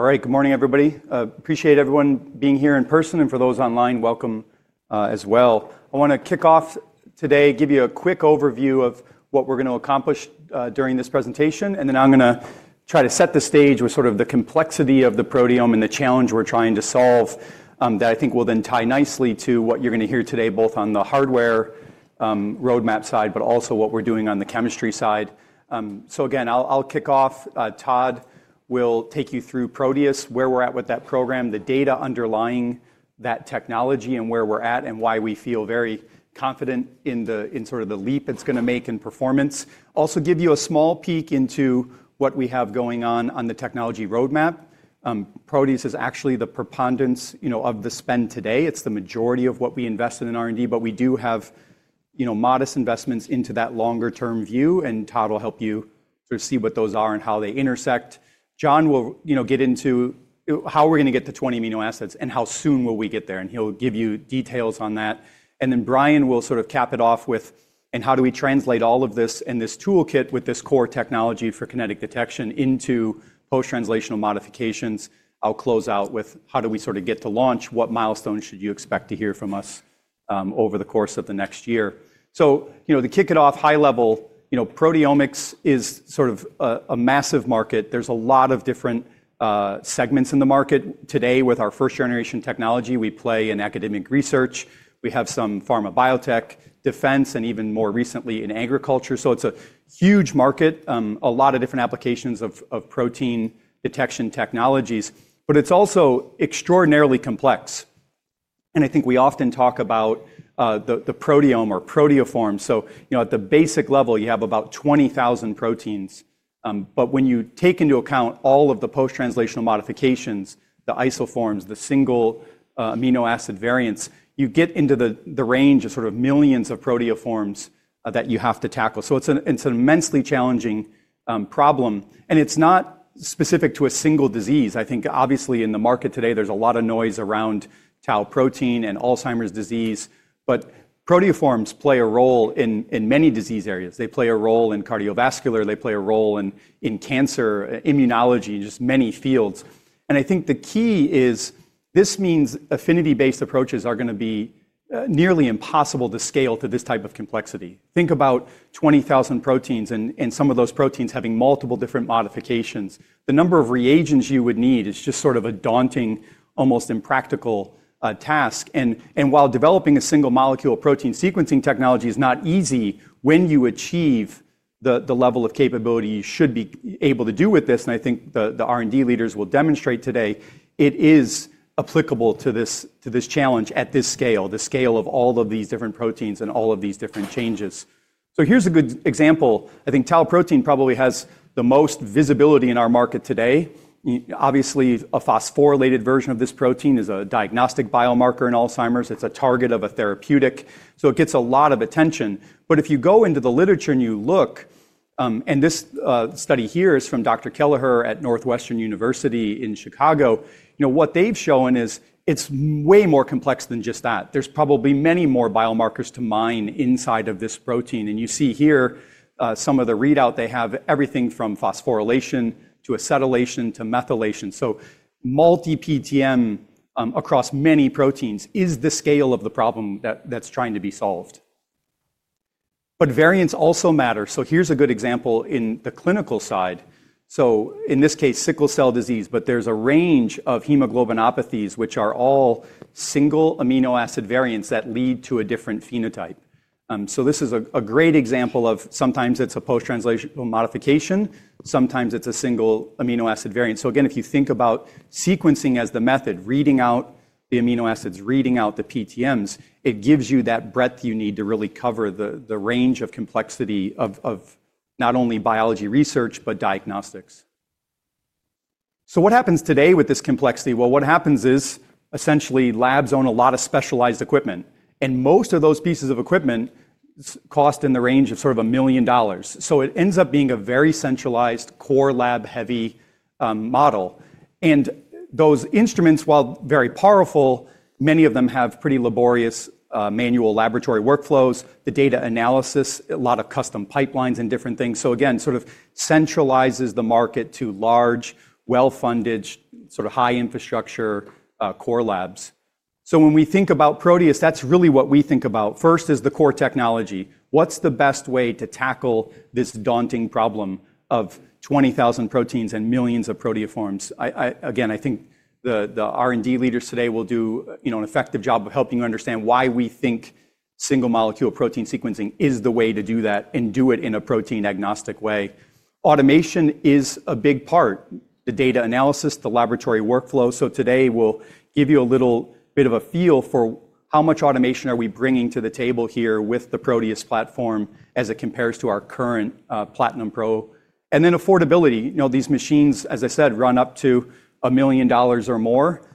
All right, good morning, everybody. Appreciate everyone being here in person, and for those online, welcome as well. I want to kick off today, give you a quick overview of what we're going to accomplish during this presentation, and then I'm going to try to set the stage with sort of the complexity of the proteome and the challenge we're trying to solve that I think will then tie nicely to what you're going to hear today, both on the hardware roadmap side, but also what we're doing on the chemistry side. Again, I'll kick off. Todd will take you through Proteus, where we're at with that program, the data underlying that technology, and where we're at, and why we feel very confident in sort of the leap it's going to make in performance. Also give you a small peek into what we have going on on the technology roadmap. Proteus is actually the preponderance of the spend today. It's the majority of what we invest in R&D, but we do have modest investments into that longer-term view, and Todd will help you see what those are and how they intersect. John will get into how we're going to get to 20 amino acids and how soon will we get there, and he'll give you details on that. Brian will sort of cap it off with, and how do we translate all of this in this toolkit with this core technology for kinetic detection into post-translational modifications. I'll close out with, how do we sort of get to launch? What milestones should you expect to hear from us over the course of the next year? To kick it off, high level, proteomics is sort of a massive market. There's a lot of different segments in the market. Today, with our first-generation technology, we play in academic research. We have some pharma biotech, defense, and even more recently in agriculture. It's a huge market, a lot of different applications of protein detection technologies, but it's also extraordinarily complex. I think we often talk about the proteome or proteoforms. At the basic level, you have about 20,000 proteins, but when you take into account all of the post-translational modifications, the isoforms, the single amino acid variants, you get into the range of sort of millions of proteoforms that you have to tackle. It's an immensely challenging problem, and it's not specific to a single disease. I think, obviously, in the market today, there's a lot of noise around tau protein and Alzheimer's disease, but proteoforms play a role in many disease areas. They play a role in cardiovascular, they play a role in cancer, immunology, and just many fields. I think the key is this means affinity-based approaches are going to be nearly impossible to scale to this type of complexity. Think about 20,000 proteins and some of those proteins having multiple different modifications. The number of reagents you would need is just sort of a daunting, almost impractical task. While developing a single molecule protein sequencing technology is not easy, when you achieve the level of capability you should be able to do with this, and I think the R&D leaders will demonstrate today, it is applicable to this challenge at this scale, the scale of all of these different proteins and all of these different changes. Here's a good example. I think tau protein probably has the most visibility in our market today. Obviously, a phosphorylated version of this protein is a diagnostic biomarker in Alzheimer's. It's a target of a therapeutic. It gets a lot of attention. If you go into the literature and you look, and this study here is from Dr. Kelleher at Northwestern University in Chicago, what they've shown is it's way more complex than just that. There's probably many more biomarkers to mine inside of this protein. You see here some of the readout they have, everything from phosphorylation to acetylation to methylation. Multi-PTM across many proteins is the scale of the problem that's trying to be solved. Variants also matter. Here's a good example in the clinical side. In this case, sickle cell disease, but there's a range of hemoglobinopathies, which are all single amino acid variants that lead to a different phenotype. This is a great example of sometimes it's a post-translational modification, sometimes it's a single amino acid variant. If you think about sequencing as the method, reading out the amino acids, reading out the PTMs, it gives you that breadth you need to really cover the range of complexity of not only biology research, but diagnostics. What happens today with this complexity? What happens is essentially labs own a lot of specialized equipment, and most of those pieces of equipment cost in the range of sort of a million dollars. It ends up being a very centralized, core lab-heavy model. Those instruments, while very powerful, many of them have pretty laborious manual laboratory workflows, the data analysis, a lot of custom pipelines and different things. Again, it sort of centralizes the market to large, well-funded, sort of high-infrastructure core labs. When we think about Proteus, that's really what we think about. First is the core technology. What's the best way to tackle this daunting problem of 20,000 proteins and millions of proteoforms? Again, I think the R&D leaders today will do an effective job of helping you understand why we think single molecule protein sequencing is the way to do that and do it in a protein-agnostic way. Automation is a big part. The data analysis, the laboratory workflow. Today we'll give you a little bit of a feel for how much automation are we bringing to the table here with the Proteus platform as it compares to our current Platinum Pro. Affordability. These machines, as I said, run up to $1 million or more.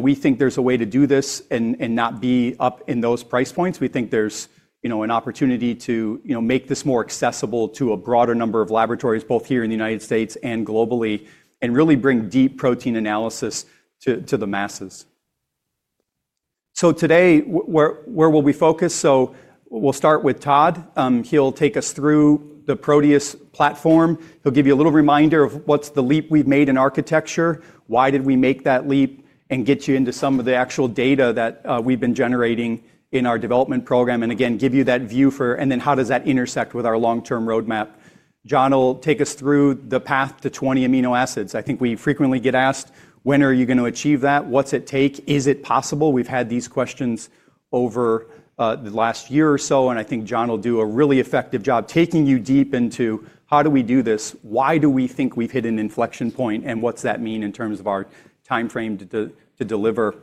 We think there's a way to do this and not be up in those price points. We think there's an opportunity to make this more accessible to a broader number of laboratories, both here in the United States and globally, and really bring deep protein analysis to the masses. Today, where will we focus? We'll start with Todd. He'll take us through the Proteus platform. He'll give you a little reminder of what's the leap we've made in architecture, why did we make that leap, and get you into some of the actual data that we've been generating in our development program, and again, give you that view for, and then how does that intersect with our long-term roadmap. John will take us through the path to 20 amino acids. I think we frequently get asked, when are you going to achieve that? What's it take? Is it possible? We've had these questions over the last year or so, and I think John will do a really effective job taking you deep into how do we do this, why do we think we've hit an inflection point, and what's that mean in terms of our timeframe to deliver.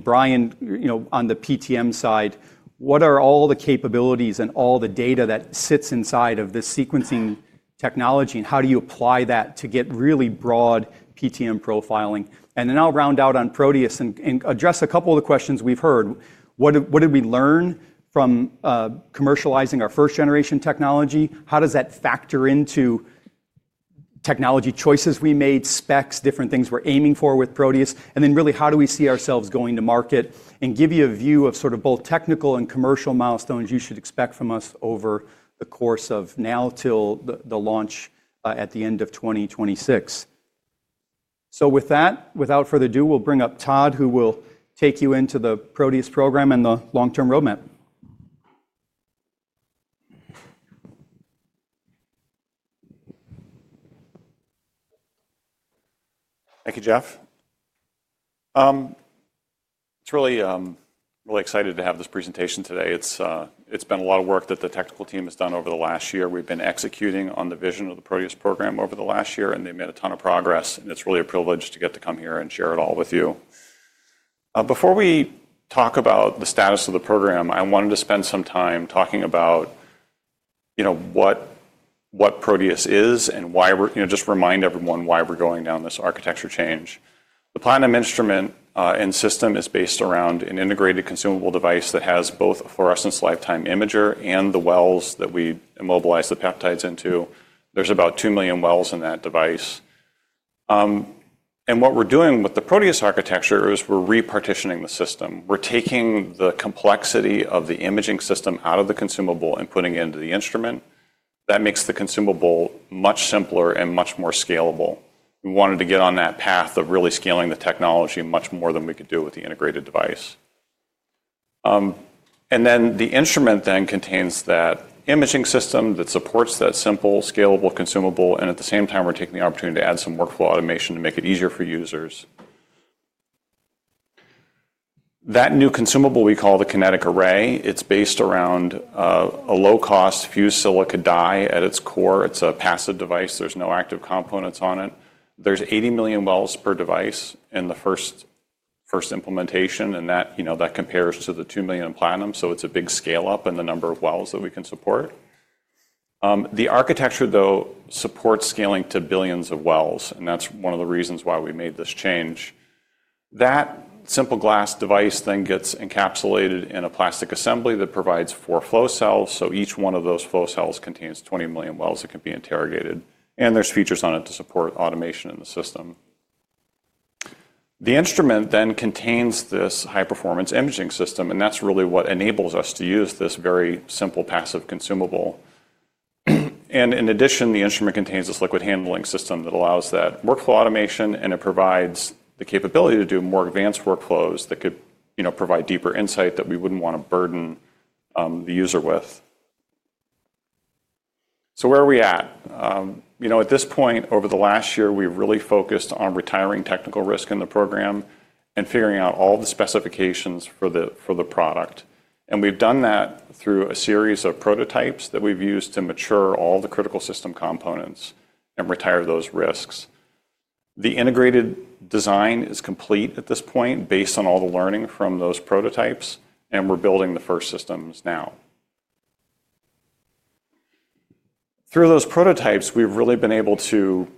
Brian, on the PTM side, what are all the capabilities and all the data that sits inside of this sequencing technology, and how do you apply that to get really broad PTM profiling? I'll round out on Proteus and address a couple of the questions we've heard. What did we learn from commercializing our first-generation technology? How does that factor into technology choices we made, specs, different things we're aiming for with Proteus? Really, how do we see ourselves going to market and give you a view of sort of both technical and commercial milestones you should expect from us over the course of now till the launch at the end of 2026? With that, without further ado, we'll bring up Todd, who will take you into the Proteus program and the long-term roadmap. Thank you, Jeff. It's really exciting to have this presentation today. It's been a lot of work that the technical team has done over the last year. We've been executing on the vision of the Proteus program over the last year, and they've made a ton of progress, and it's really a privilege to get to come here and share it all with you. Before we talk about the status of the program, I wanted to spend some time talking about what Proteus is and just remind everyone why we're going down this architecture change. The Platinum instrument and system is based around an integrated consumable device that has both a fluorescence lifetime imager and the wells that we immobilize the peptides into. There's about two million wells in that device. What we're doing with the Proteus architecture is we're repartitioning the system. We're taking the complexity of the imaging system out of the consumable and putting it into the instrument. That makes the consumable much simpler and much more scalable. We wanted to get on that path of really scaling the technology much more than we could do with the integrated device. The instrument then contains that imaging system that supports that simple, scalable consumable, and at the same time, we're taking the opportunity to add some workflow automation to make it easier for users. That new consumable we call the Kinetic Array, it's based around a low-cost fused silica dye at its core. It's a passive device. There's no active components on it. There are 80 million wells per device in the first implementation, and that compares to the two million in Platinum, so it's a big scale-up in the number of wells that we can support. The architecture, though, supports scaling to billions of wells, and that's one of the reasons why we made this change. That simple glass device then gets encapsulated in a plastic assembly that provides four flow cells, so each one of those flow cells contains 20 million wells that can be interrogated, and there are features on it to support automation in the system. The instrument then contains this high-performance imaging system, and that's really what enables us to use this very simple passive consumable. In addition, the instrument contains this liquid handling system that allows that workflow automation, and it provides the capability to do more advanced workflows that could provide deeper insight that we wouldn't want to burden the user with. Where are we at? At this point, over the last year, we've really focused on retiring technical risk in the program and figuring out all the specifications for the product. We've done that through a series of prototypes that we've used to mature all the critical system components and retire those risks. The integrated design is complete at this point based on all the learning from those prototypes, and we're building the first systems now. Through those prototypes, we've really been able to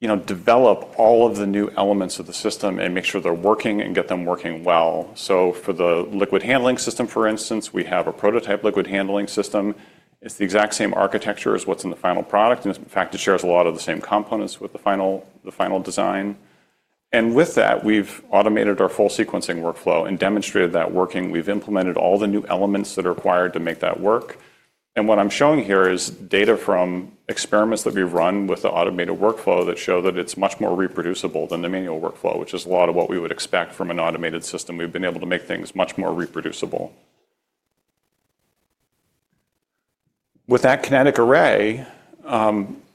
develop all of the new elements of the system and make sure they're working and get them working well. For the liquid handling system, for instance, we have a prototype liquid handling system. It's the exact same architecture as what's in the final product, and in fact, it shares a lot of the same components with the final design. With that, we've automated our full sequencing workflow and demonstrated that working. We've implemented all the new elements that are required to make that work. What I'm showing here is data from experiments that we've run with the automated workflow that show that it's much more reproducible than the manual workflow, which is a lot of what we would expect from an automated system. We've been able to make things much more reproducible. With that kinetic array,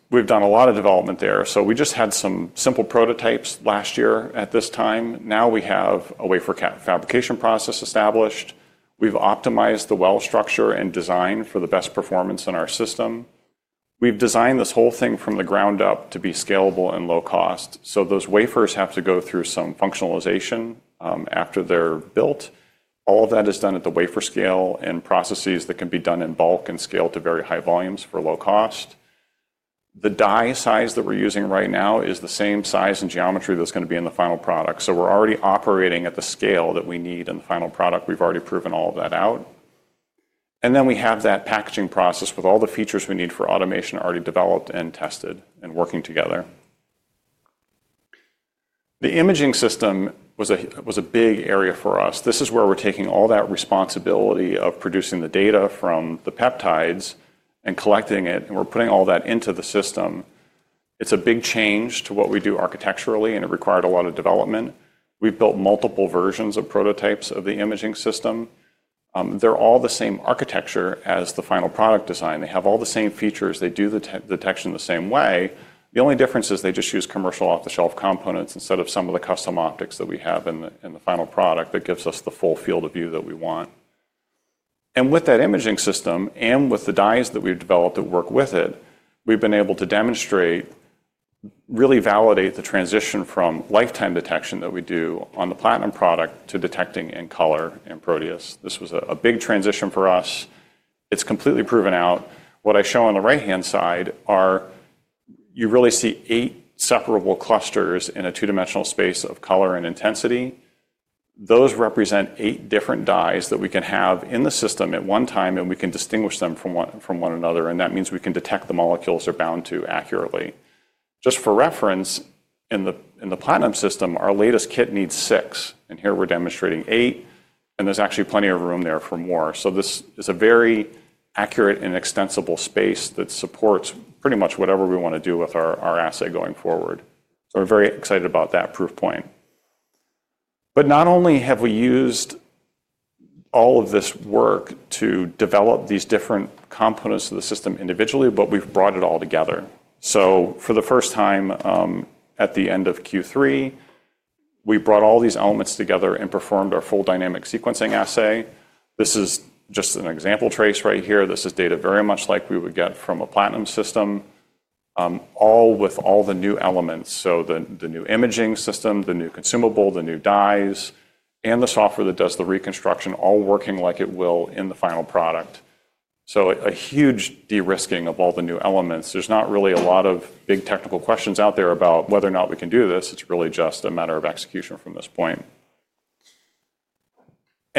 we've done a lot of development there. We just had some simple prototypes last year at this time. Now we have a wafer fabrication process established. We've optimized the well structure and design for the best performance in our system. We've designed this whole thing from the ground up to be scalable and low cost. Those wafers have to go through some functionalization after they're built. All of that is done at the wafer scale and processes that can be done in bulk and scaled to very high volumes for low cost. The dye size that we're using right now is the same size and geometry that's going to be in the final product. So we're already operating at the scale that we need in the final product. We've already proven all of that out. And then we have that packaging process with all the features we need for automation already developed and tested and working together. The imaging system was a big area for us. This is where we're taking all that responsibility of producing the data from the peptides and collecting it, and we're putting all that into the system. It's a big change to what we do architecturally, and it required a lot of development. We've built multiple versions of prototypes of the imaging system. They're all the same architecture as the final product design. They have all the same features. They do the detection the same way. The only difference is they just use commercial off-the-shelf components instead of some of the custom optics that we have in the final product that gives us the full field of view that we want. With that imaging system and with the dyes that we've developed that work with it, we've been able to demonstrate, really validate the transition from lifetime detection that we do on the Platinum product to detecting in color in Proteus. This was a big transition for us. It's completely proven out. What I show on the right-hand side are you really see eight separable clusters in a two-dimensional space of color and intensity. Those represent eight different dyes that we can have in the system at one time, and we can distinguish them from one another. That means we can detect the molecules they're bound to accurately. Just for reference, in the Platinum system, our latest kit needs six, and here we're demonstrating eight, and there's actually plenty of room there for more. This is a very accurate and extensible space that supports pretty much whatever we want to do with our assay going forward. We're very excited about that proof point. Not only have we used all of this work to develop these different components of the system individually, but we've brought it all together. For the first time at the end of Q3, we brought all these elements together and performed our full dynamic sequencing assay. This is just an example trace right here. This is data very much like we would get from a Platinum system, all with all the new elements. The new imaging system, the new consumable, the new dyes, and the software that does the reconstruction, all working like it will in the final product. A huge de-risking of all the new elements. There are not really a lot of big technical questions out there about whether or not we can do this. It is really just a matter of execution from this point.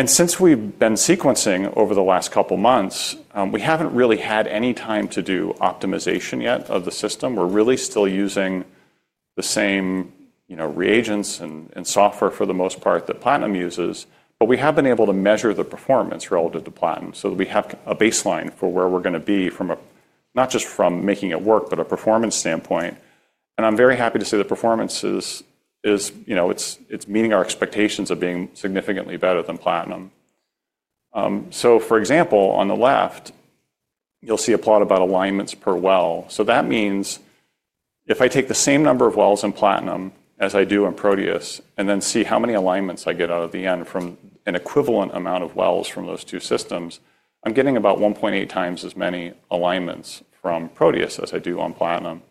Since we have been sequencing over the last couple of months, we have not really had any time to do optimization yet of the system. We're really still using the same reagents and software for the most part that Platinum uses, but we have been able to measure the performance relative to Platinum so that we have a baseline for where we're going to be not just from making it work, but a performance standpoint. I'm very happy to say the performance is meeting our expectations of being significantly better than Platinum. For example, on the left, you'll see a plot about alignments per well. That means if I take the same number of wells in Platinum as I do in Proteus and then see how many alignments I get out of the end from an equivalent amount of wells from those two systems, I'm getting about 1.8 times as many alignments from Proteus as I do on Platinum.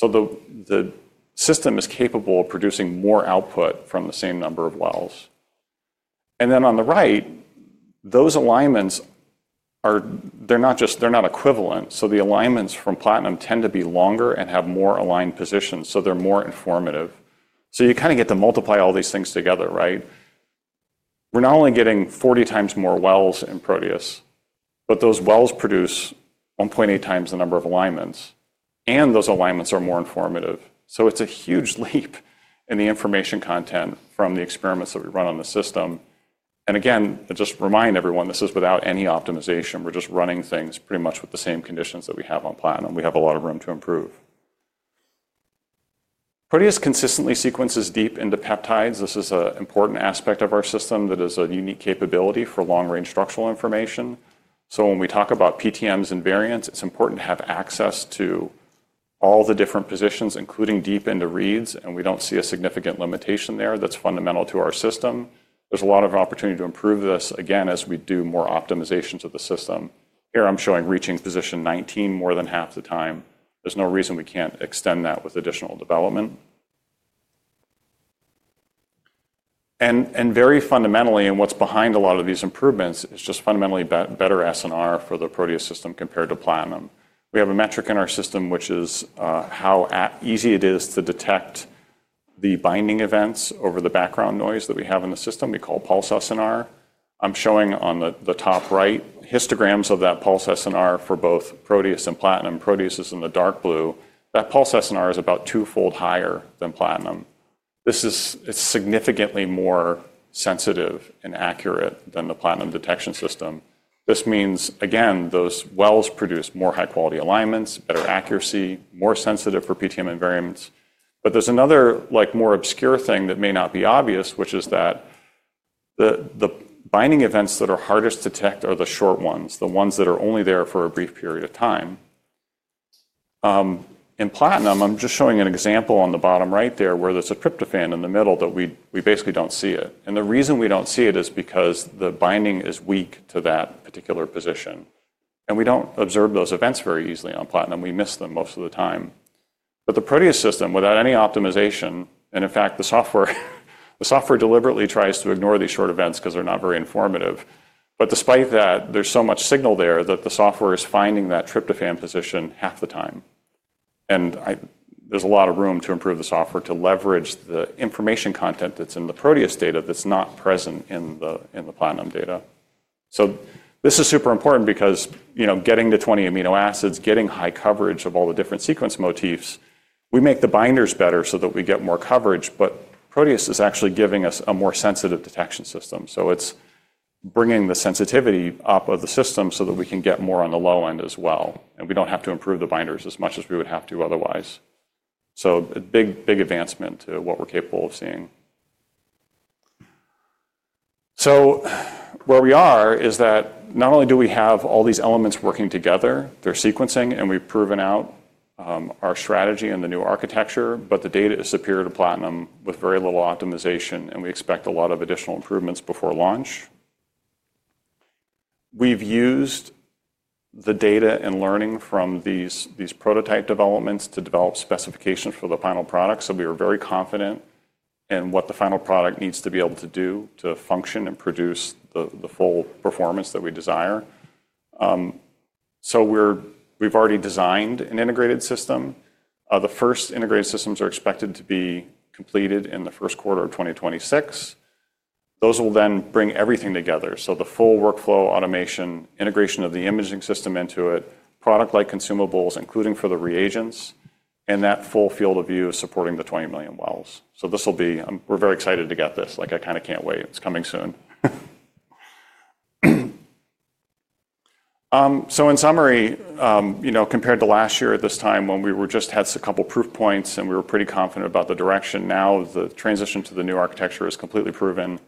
The system is capable of producing more output from the same number of wells. On the right, those alignments, they're not equivalent. The alignments from Platinum tend to be longer and have more aligned positions, so they're more informative. You kind of get to multiply all these things together, right? We're not only getting 40 times more wells in Proteus, but those wells produce 1.8 times the number of alignments, and those alignments are more informative. It's a huge leap in the information content from the experiments that we run on the system. Again, just remind everyone, this is without any optimization. We're just running things pretty much with the same conditions that we have on Platinum. We have a lot of room to improve. Proteus consistently sequences deep into peptides. This is an important aspect of our system that is a unique capability for long-range structural information. When we talk about PTMs and variants, it's important to have access to all the different positions, including deep into reads, and we don't see a significant limitation there that's fundamental to our system. There's a lot of opportunity to improve this, again, as we do more optimizations of the system. Here I'm showing reaching position 19 more than half the time. There's no reason we can't extend that with additional development. Very fundamentally, and what's behind a lot of these improvements, is just fundamentally better SNR for the Proteus system compared to Platinum. We have a metric in our system, which is how easy it is to detect the binding events over the background noise that we have in the system. We call pulse SNR. I'm showing on the top right histograms of that pulse SNR for both Proteus and Platinum. Proteus is in the dark blue. That pulse SNR is about twofold higher than Platinum. This is significantly more sensitive and accurate than the Platinum detection system. This means, again, those wells produce more high-quality alignments, better accuracy, more sensitive for PTM and variants. There is another more obscure thing that may not be obvious, which is that the binding events that are hardest to detect are the short ones, the ones that are only there for a brief period of time. In Platinum, I'm just showing an example on the bottom right there where there's a tryptophan in the middle that we basically don't see it. The reason we don't see it is because the binding is weak to that particular position. We don't observe those events very easily on Platinum. We miss them most of the time. The Proteus system, without any optimization, and in fact, the software deliberately tries to ignore these short events because they're not very informative. Despite that, there's so much signal there that the software is finding that tryptophan position half the time. There's a lot of room to improve the software to leverage the information content that's in the Proteus data that's not present in the Platinum data. This is super important because getting to 20 amino acids, getting high coverage of all the different sequence motifs, we make the binders better so that we get more coverage, but Proteus is actually giving us a more sensitive detection system. It's bringing the sensitivity up of the system so that we can get more on the low end as well. We do not have to improve the binders as much as we would have to otherwise. A big advancement to what we are capable of seeing. Where we are is that not only do we have all these elements working together, they are sequencing, and we have proven out our strategy and the new architecture, but the data is superior to Platinum with very little optimization, and we expect a lot of additional improvements before launch. We have used the data and learning from these prototype developments to develop specifications for the final product. We are very confident in what the final product needs to be able to do to function and produce the full performance that we desire. We have already designed an integrated system. The first integrated systems are expected to be completed in the first quarter of 2026. Those will then bring everything together. The full workflow automation, integration of the imaging system into it, product-like consumables, including for the reagents, and that full field of view supporting the 20 million wells. This will be—we're very excited to get this. I kind of can't wait. It's coming soon. In summary, compared to last year at this time, when we just had a couple of proof points and we were pretty confident about the direction, now the transition to the new architecture is completely proven.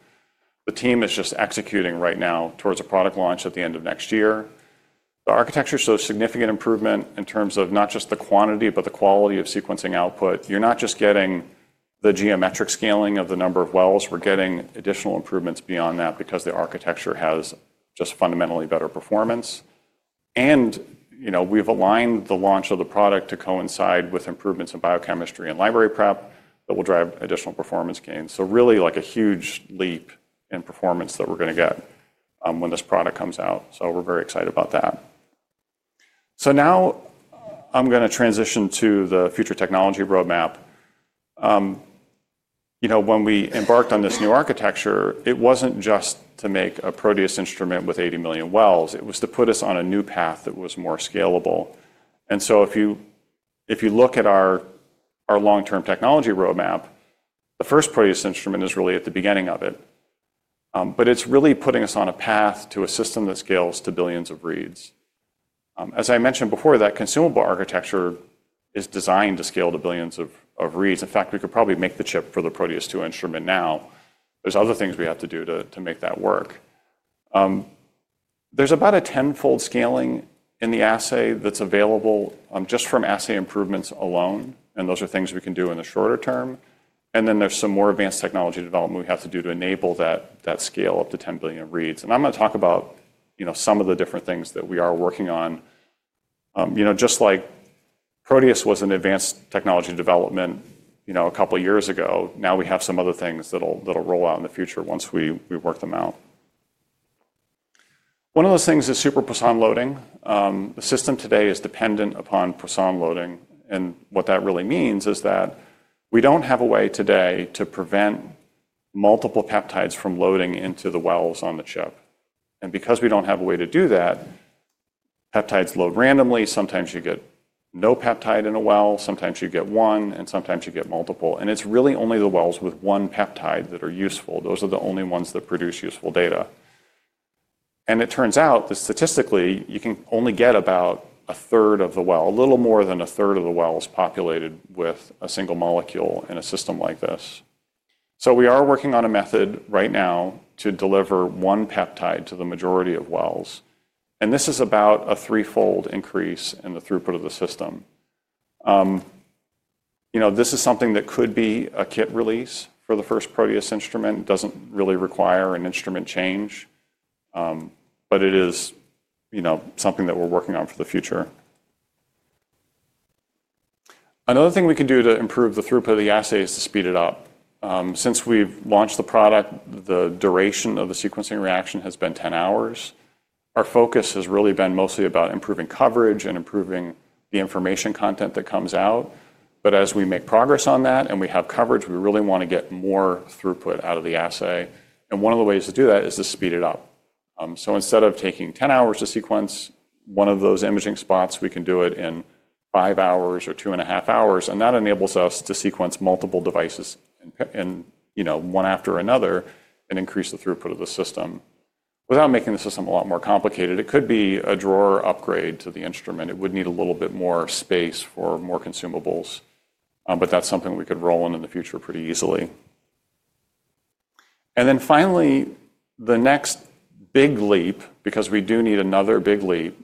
The team is just executing right now towards a product launch at the end of next year. The architecture shows significant improvement in terms of not just the quantity, but the quality of sequencing output. You're not just getting the geometric scaling of the number of wells. We're getting additional improvements beyond that because the architecture has just fundamentally better performance. We have aligned the launch of the product to coincide with improvements in biochemistry and library prep that will drive additional performance gains. It is really like a huge leap in performance that we are going to get when this product comes out. We are very excited about that. Now I am going to transition to the future technology roadmap. When we embarked on this new architecture, it was not just to make a Proteus instrument with 80 million wells. It was to put us on a new path that was more scalable. If you look at our long-term technology roadmap, the first Proteus instrument is really at the beginning of it. It is really putting us on a path to a system that scales to billions of reads. As I mentioned before, that consumable architecture is designed to scale to billions of reads. In fact, we could probably make the chip for the Proteus 2 instrument now. There are other things we have to do to make that work. There is about a tenfold scaling in the assay that is available just from assay improvements alone, and those are things we can do in the shorter term. There are some more advanced technology development efforts we have to do to enable that scale up to 10 billion reads. I am going to talk about some of the different things that we are working on. Just like Proteus was an advanced technology development a couple of years ago, now we have some other things that will roll out in the future once we work them out. One of those things is super Poisson loading. The system today is dependent upon Poisson loading. What that really means is that we do not have a way today to prevent multiple peptides from loading into the wells on the chip. Because we do not have a way to do that, peptides load randomly. Sometimes you get no peptide in a well, sometimes you get one, and sometimes you get multiple. It is really only the wells with one peptide that are useful. Those are the only ones that produce useful data. It turns out that statistically, you can only get about a third of the wells, a little more than a third of the wells, populated with a single molecule in a system like this. We are working on a method right now to deliver one peptide to the majority of wells. This is about a threefold increase in the throughput of the system. This is something that could be a kit release for the first Proteus instrument. It does not really require an instrument change, but it is something that we are working on for the future. Another thing we can do to improve the throughput of the assay is to speed it up. Since we have launched the product, the duration of the sequencing reaction has been 10 hours. Our focus has really been mostly about improving coverage and improving the information content that comes out. As we make progress on that and we have coverage, we really want to get more throughput out of the assay. One of the ways to do that is to speed it up. Instead of taking 10 hours to sequence one of those imaging spots, we can do it in five hours or two and a half hours. That enables us to sequence multiple devices one after another and increase the throughput of the system. Without making the system a lot more complicated, it could be a drawer upgrade to the instrument. It would need a little bit more space for more consumables, but that's something we could roll in in the future pretty easily. Finally, the next big leap, because we do need another big leap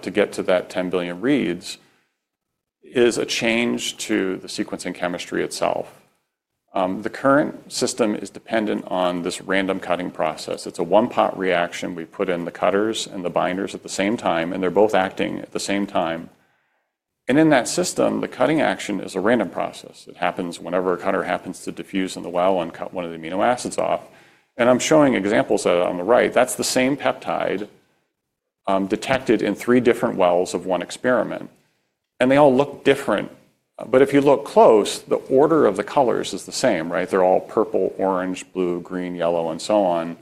to get to that 10 billion reads, is a change to the sequencing chemistry itself. The current system is dependent on this random cutting process. It's a one-pot reaction. We put in the cutters and the binders at the same time, and they're both acting at the same time. In that system, the cutting action is a random process. It happens whenever a cutter happens to diffuse in the well and cut one of the amino acids off. I'm showing examples of that on the right. That's the same peptide detected in three different wells of one experiment. They all look different. If you look close, the order of the colors is the same, right? They're all purple, orange, blue, green, yellow, and so on.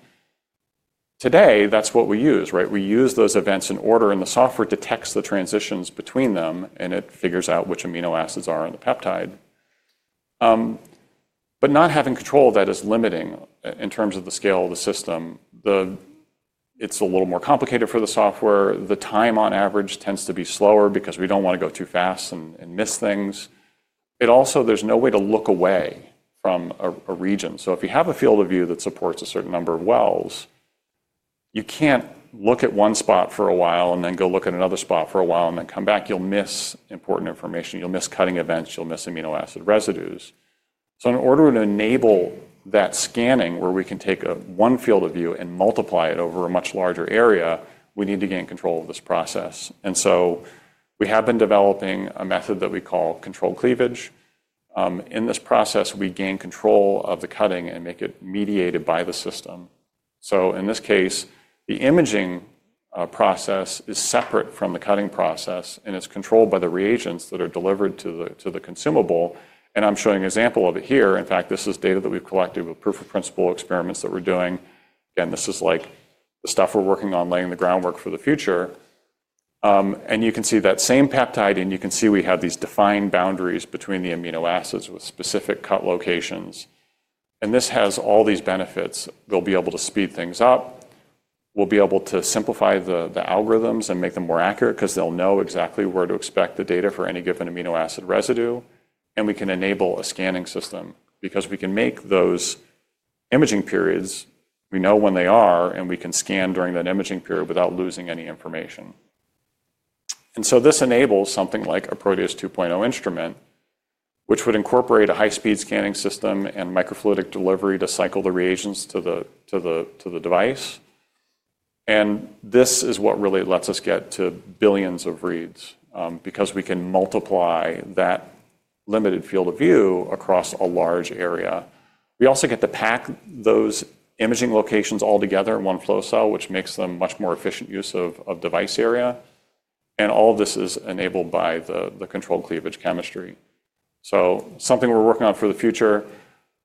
Today, that's what we use, right? We use those events in order, and the software detects the transitions between them, and it figures out which amino acids are in the peptide. Not having control of that is limiting in terms of the scale of the system. It's a little more complicated for the software. The time on average tends to be slower because we don't want to go too fast and miss things. Also, there's no way to look away from a region. If you have a field of view that supports a certain number of wells, you can't look at one spot for a while and then go look at another spot for a while and then come back. You'll miss important information. You'll miss cutting events. You'll miss amino acid residues. In order to enable that scanning where we can take one field of view and multiply it over a much larger area, we need to gain control of this process. We have been developing a method that we call controlled cleavage. In this process, we gain control of the cutting and make it mediated by the system. In this case, the imaging process is separate from the cutting process, and it's controlled by the reagents that are delivered to the consumable. I'm showing an example of it here. In fact, this is data that we've collected with proof of principle experiments that we're doing. Again, this is like the stuff we're working on laying the groundwork for the future. You can see that same peptide, and you can see we have these defined boundaries between the amino acids with specific cut locations. This has all these benefits. They'll be able to speed things up. We'll be able to simplify the algorithms and make them more accurate because they'll know exactly where to expect the data for any given amino acid residue. We can enable a scanning system because we can make those imaging periods. We know when they are, and we can scan during that imaging period without losing any information. This enables something like a Proteus 2.0 instrument, which would incorporate a high-speed scanning system and microfluidic delivery to cycle the reagents to the device. This is what really lets us get to billions of reads because we can multiply that limited field of view across a large area. We also get to pack those imaging locations all together in one flow cell, which makes them much more efficient use of device area. All of this is enabled by the controlled cleavage chemistry. Something we're working on for the future,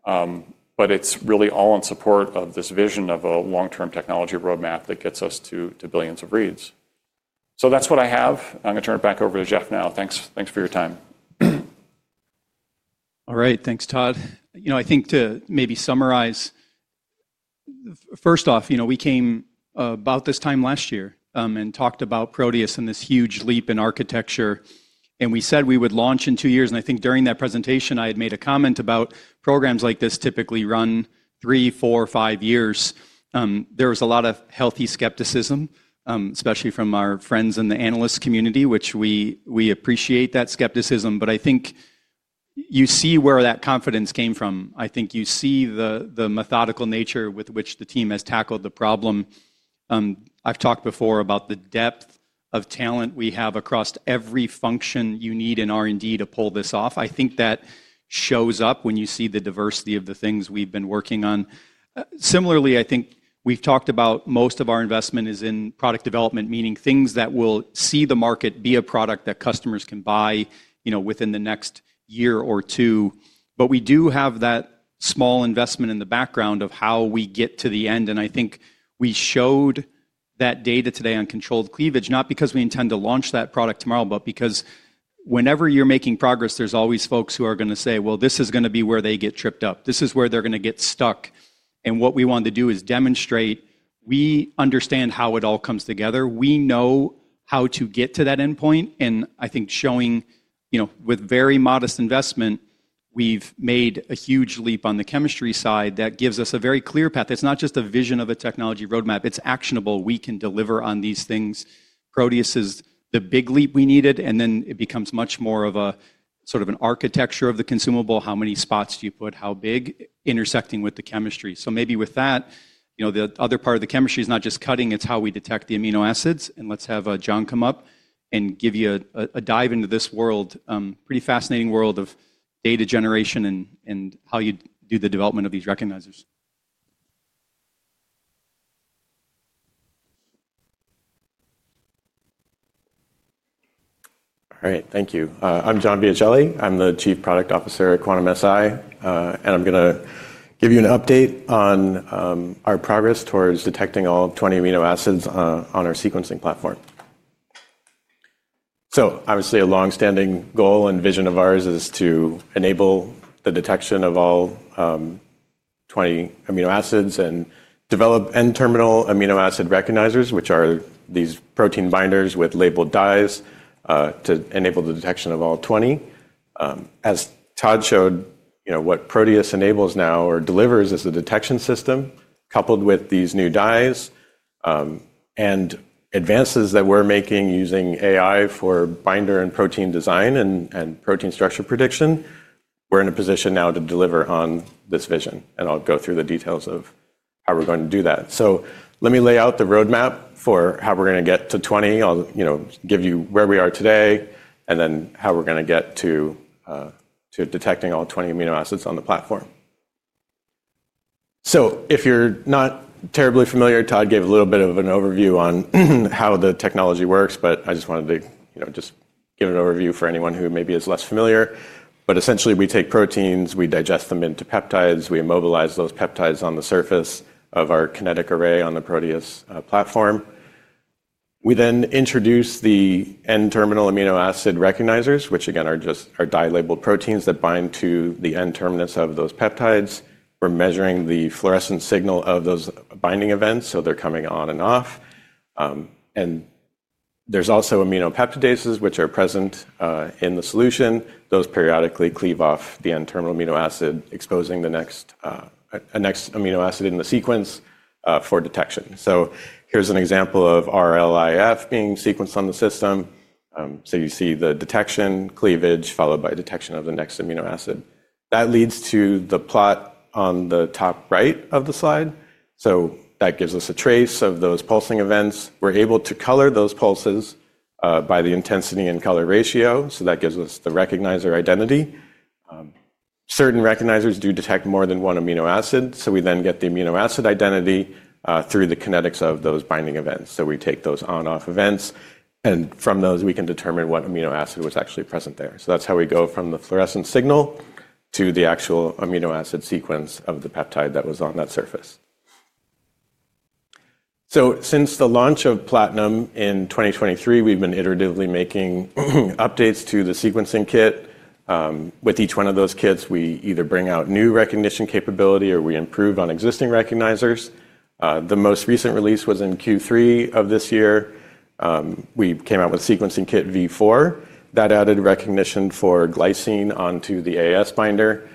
but it's really all in support of this vision of a long-term technology roadmap that gets us to billions of reads. That's what I have. I'm going to turn it back over to Jeff now. Thanks for your time. All right. Thanks, Todd. I think to maybe summarize, first off, we came about this time last year and talked about Proteus and this huge leap in architecture. We said we would launch in two years. I think during that presentation, I had made a comment about programs like this typically run three, four, five years. There was a lot of healthy skepticism, especially from our friends in the analyst community, which we appreciate that skepticism. I think you see where that confidence came from. I think you see the methodical nature with which the team has tackled the problem. I've talked before about the depth of talent we have across every function you need in R&D to pull this off. I think that shows up when you see the diversity of the things we've been working on. Similarly, I think we've talked about most of our investment is in product development, meaning things that will see the market be a product that customers can buy within the next year or two. We do have that small investment in the background of how we get to the end. I think we showed that data today on controlled cleavage, not because we intend to launch that product tomorrow, but because whenever you're making progress, there's always folks who are going to say, "Well, this is going to be where they get tripped up. This is where they're going to get stuck." What we want to do is demonstrate we understand how it all comes together. We know how to get to that endpoint. I think showing with very modest investment, we've made a huge leap on the chemistry side that gives us a very clear path. It's not just a vision of a technology roadmap. It's actionable. We can deliver on these things. Proteus is the big leap we needed. It becomes much more of a sort of an architecture of the consumable, how many spots do you put, how big, intersecting with the chemistry. Maybe with that, the other part of the chemistry is not just cutting. It's how we detect the amino acids. Let's have John come up and give you a dive into this world, pretty fascinating world of data generation and how you do the development of these recognizers. All right. Thank you. I'm John Biacelli. I'm the Chief Product Officer at Quantum-Si. I'm going to give you an update on our progress towards detecting all 20 amino acids on our sequencing platform. Obviously, a longstanding goal and vision of ours is to enable the detection of all 20 amino acids and develop end-terminal amino acid recognizers, which are these protein binders with labeled dyes to enable the detection of all 20. As Todd showed, what Proteus enables now or delivers is a detection system coupled with these new dyes and advances that we're making using AI for binder and protein design and protein structure prediction. We're in a position now to deliver on this vision. I'll go through the details of how we're going to do that. Let me lay out the roadmap for how we're going to get to 20. I'll give you where we are today and then how we're going to get to detecting all 20 amino acids on the platform. If you're not terribly familiar, Todd gave a little bit of an overview on how the technology works, but I just wanted to give an overview for anyone who maybe is less familiar. Essentially, we take proteins, we digest them into peptides, we immobilize those peptides on the surface of our Kinetic Array on the Proteus platform. We then introduce the end-terminal amino acid recognizers, which again are just our dye-labeled proteins that bind to the end-terminus of those peptides. We're measuring the fluorescence signal of those binding events, so they're coming on and off. There are also amino peptidases, which are present in the solution. Those periodically cleave off the end-terminal amino acid, exposing a next amino acid in the sequence for detection. Here is an example of RLIF being sequenced on the system. You see the detection, cleavage, followed by detection of the next amino acid. That leads to the plot on the top right of the slide. That gives us a trace of those pulsing events. We are able to color those pulses by the intensity and color ratio. That gives us the recognizer identity. Certain recognizers do detect more than one amino acid. We then get the amino acid identity through the kinetics of those binding events. We take those on-off events, and from those, we can determine what amino acid was actually present there. That is how we go from the fluorescence signal to the actual amino acid sequence of the peptide that was on that surface. Since the launch of Platinum in 2023, we have been iteratively making updates to the sequencing kit. With each one of those kits, we either bring out new recognition capability or we improve on existing recognizers. The most recent release was in Q3 of this year. We came out with Sequencing Kit V4. That added recognition for glycine onto the AAS binder,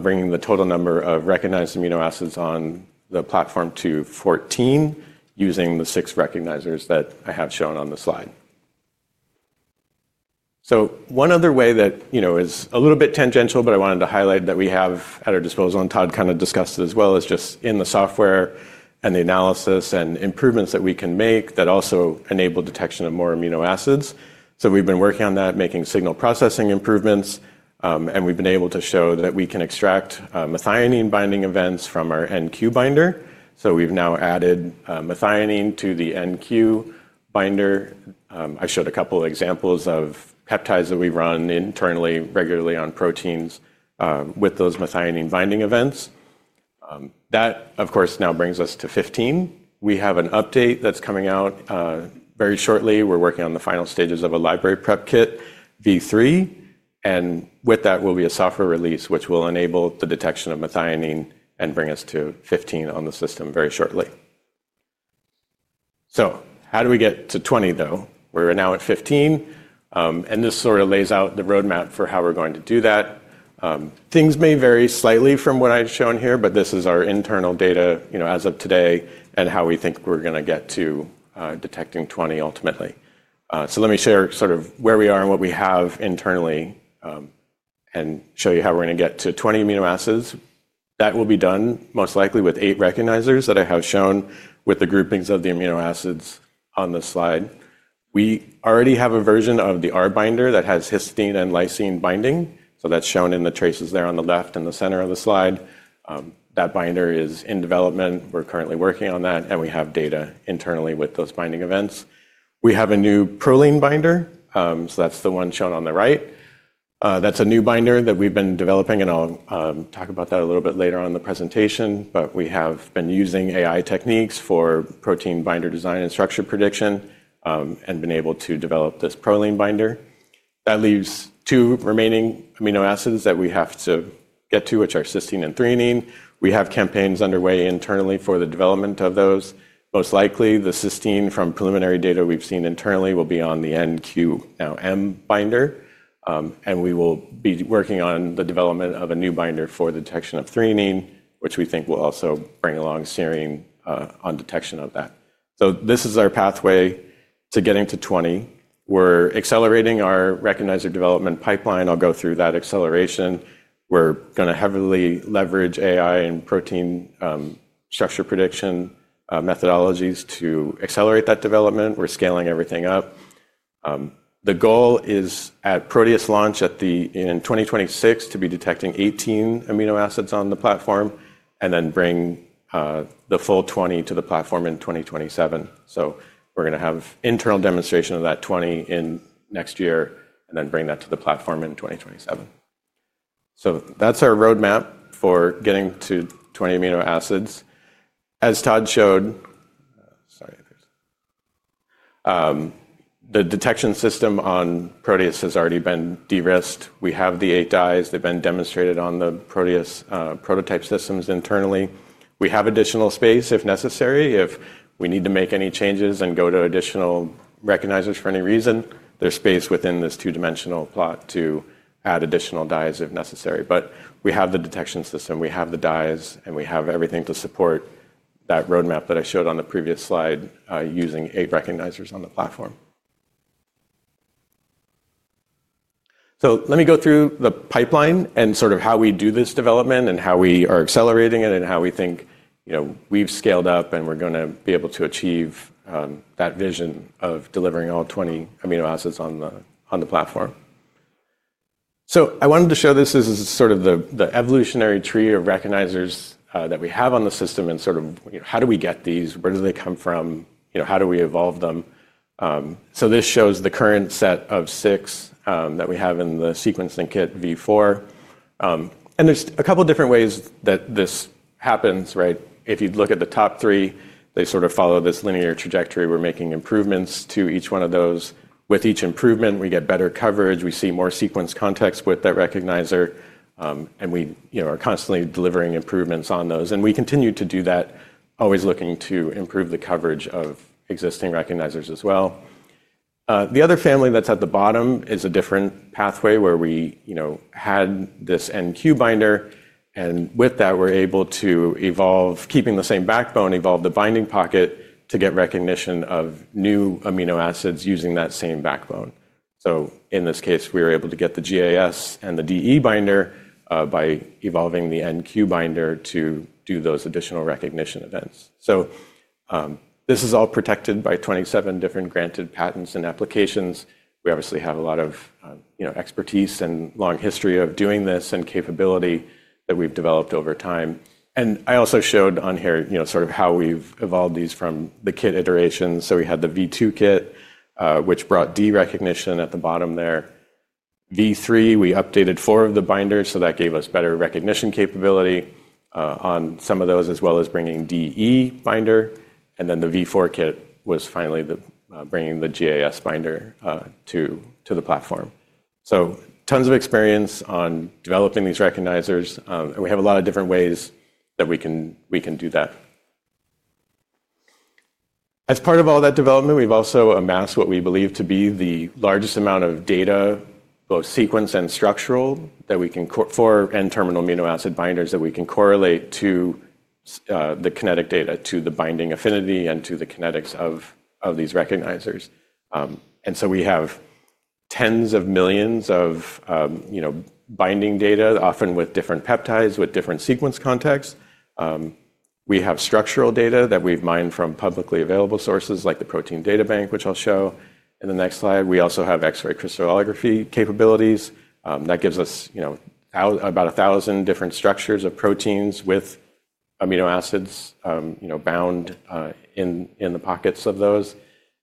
bringing the total number of recognized amino acids on the platform to 14 using the six recognizers that I have shown on the slide. One other way that is a little bit tangential, but I wanted to highlight that we have at our disposal, and Todd kind of discussed it as well, is just in the software and the analysis and improvements that we can make that also enable detection of more amino acids. We have been working on that, making signal processing improvements. We have been able to show that we can extract methionine binding events from our NQ binder. We've now added methionine to the NQ binder. I showed a couple of examples of peptides that we run internally regularly on proteins with those methionine binding events. That, of course, now brings us to 15. We have an update that's coming out very shortly. We're working on the final stages of a Library Preparation Kit, V3. With that, there will be a software release which will enable the detection of methionine and bring us to 15 on the system very shortly. How do we get to 20, though? We're now at 15. This sort of lays out the roadmap for how we're going to do that. Things may vary slightly from what I've shown here, but this is our internal data as of today and how we think we're going to get to detecting 20 ultimately. Let me share sort of where we are and what we have internally and show you how we're going to get to 20 amino acids. That will be done most likely with eight recognizers that I have shown with the groupings of the amino acids on the slide. We already have a version of the R binder that has histidine and lysine binding. That is shown in the traces there on the left in the center of the slide. That binder is in development. We're currently working on that, and we have data internally with those binding events. We have a new proline binder. That is the one shown on the right. That is a new binder that we've been developing, and I'll talk about that a little bit later on in the presentation. We have been using AI techniques for protein binder design and structure prediction and been able to develop this proline binder. That leaves two remaining amino acids that we have to get to, which are cysteine and threonine. We have campaigns underway internally for the development of those. Most likely, the cysteine from preliminary data we've seen internally will be on the NQM binder. We will be working on the development of a new binder for the detection of threonine, which we think will also bring along serine on detection of that. This is our pathway to getting to 20. We're accelerating our recognizer development pipeline. I'll go through that acceleration. We're going to heavily leverage AI and protein structure prediction methodologies to accelerate that development. We're scaling everything up. The goal is at Proteus launch in 2026 to be detecting 18 amino acids on the platform and then bring the full 20 to the platform in 2027. We are going to have internal demonstration of that 20 in next year and then bring that to the platform in 2027. That is our roadmap for getting to 20 amino acids. As Todd showed, sorry, the detection system on Proteus has already been de-risked. We have the eight dyes. They have been demonstrated on the Proteus prototype systems internally. We have additional space if necessary. If we need to make any changes and go to additional recognizers for any reason, there is space within this two-dimensional plot to add additional dyes if necessary. We have the detection system. We have the dyes, and we have everything to support that roadmap that I showed on the previous slide using eight recognizers on the platform. Let me go through the pipeline and sort of how we do this development and how we are accelerating it and how we think we've scaled up and we're going to be able to achieve that vision of delivering all 20 amino acids on the platform. I wanted to show this as sort of the evolutionary tree of recognizers that we have on the system and sort of how do we get these? Where do they come from? How do we evolve them? This shows the current set of six that we have in the Sequencing Kit V4. There's a couple of different ways that this happens, right? If you look at the top three, they sort of follow this linear trajectory. We're making improvements to each one of those. With each improvement, we get better coverage. We see more sequence context with that recognizer. We are constantly delivering improvements on those. We continue to do that, always looking to improve the coverage of existing recognizers as well. The other family that's at the bottom is a different pathway where we had this NQ binder. With that, we're able to evolve, keeping the same backbone, evolve the binding pocket to get recognition of new amino acids using that same backbone. In this case, we were able to get the GAS and the DE binder by evolving the NQ binder to do those additional recognition events. This is all protected by 27 different granted patents and applications. We obviously have a lot of expertise and long history of doing this and capability that we've developed over time. I also showed on here sort of how we've evolved these from the kit iterations. We had the V2 kit, which brought D recognition at the bottom there. V3, we updated four of the binders, so that gave us better recognition capability on some of those, as well as bringing DE binder. The V4 kit was finally bringing the GAS binder to the platform. Tons of experience on developing these recognizers. We have a lot of different ways that we can do that. As part of all that development, we've also amassed what we believe to be the largest amount of data, both sequence and structural, for end-terminal amino acid binders that we can correlate to the kinetic data, to the binding affinity, and to the kinetics of these recognizers. We have tens of millions of binding data, often with different peptides, with different sequence contexts. We have structural data that we've mined from publicly available sources like the Protein Data Bank, which I'll show in the next slide. We also have X-ray crystallography capabilities. That gives us about 1,000 different structures of proteins with amino acids bound in the pockets of those.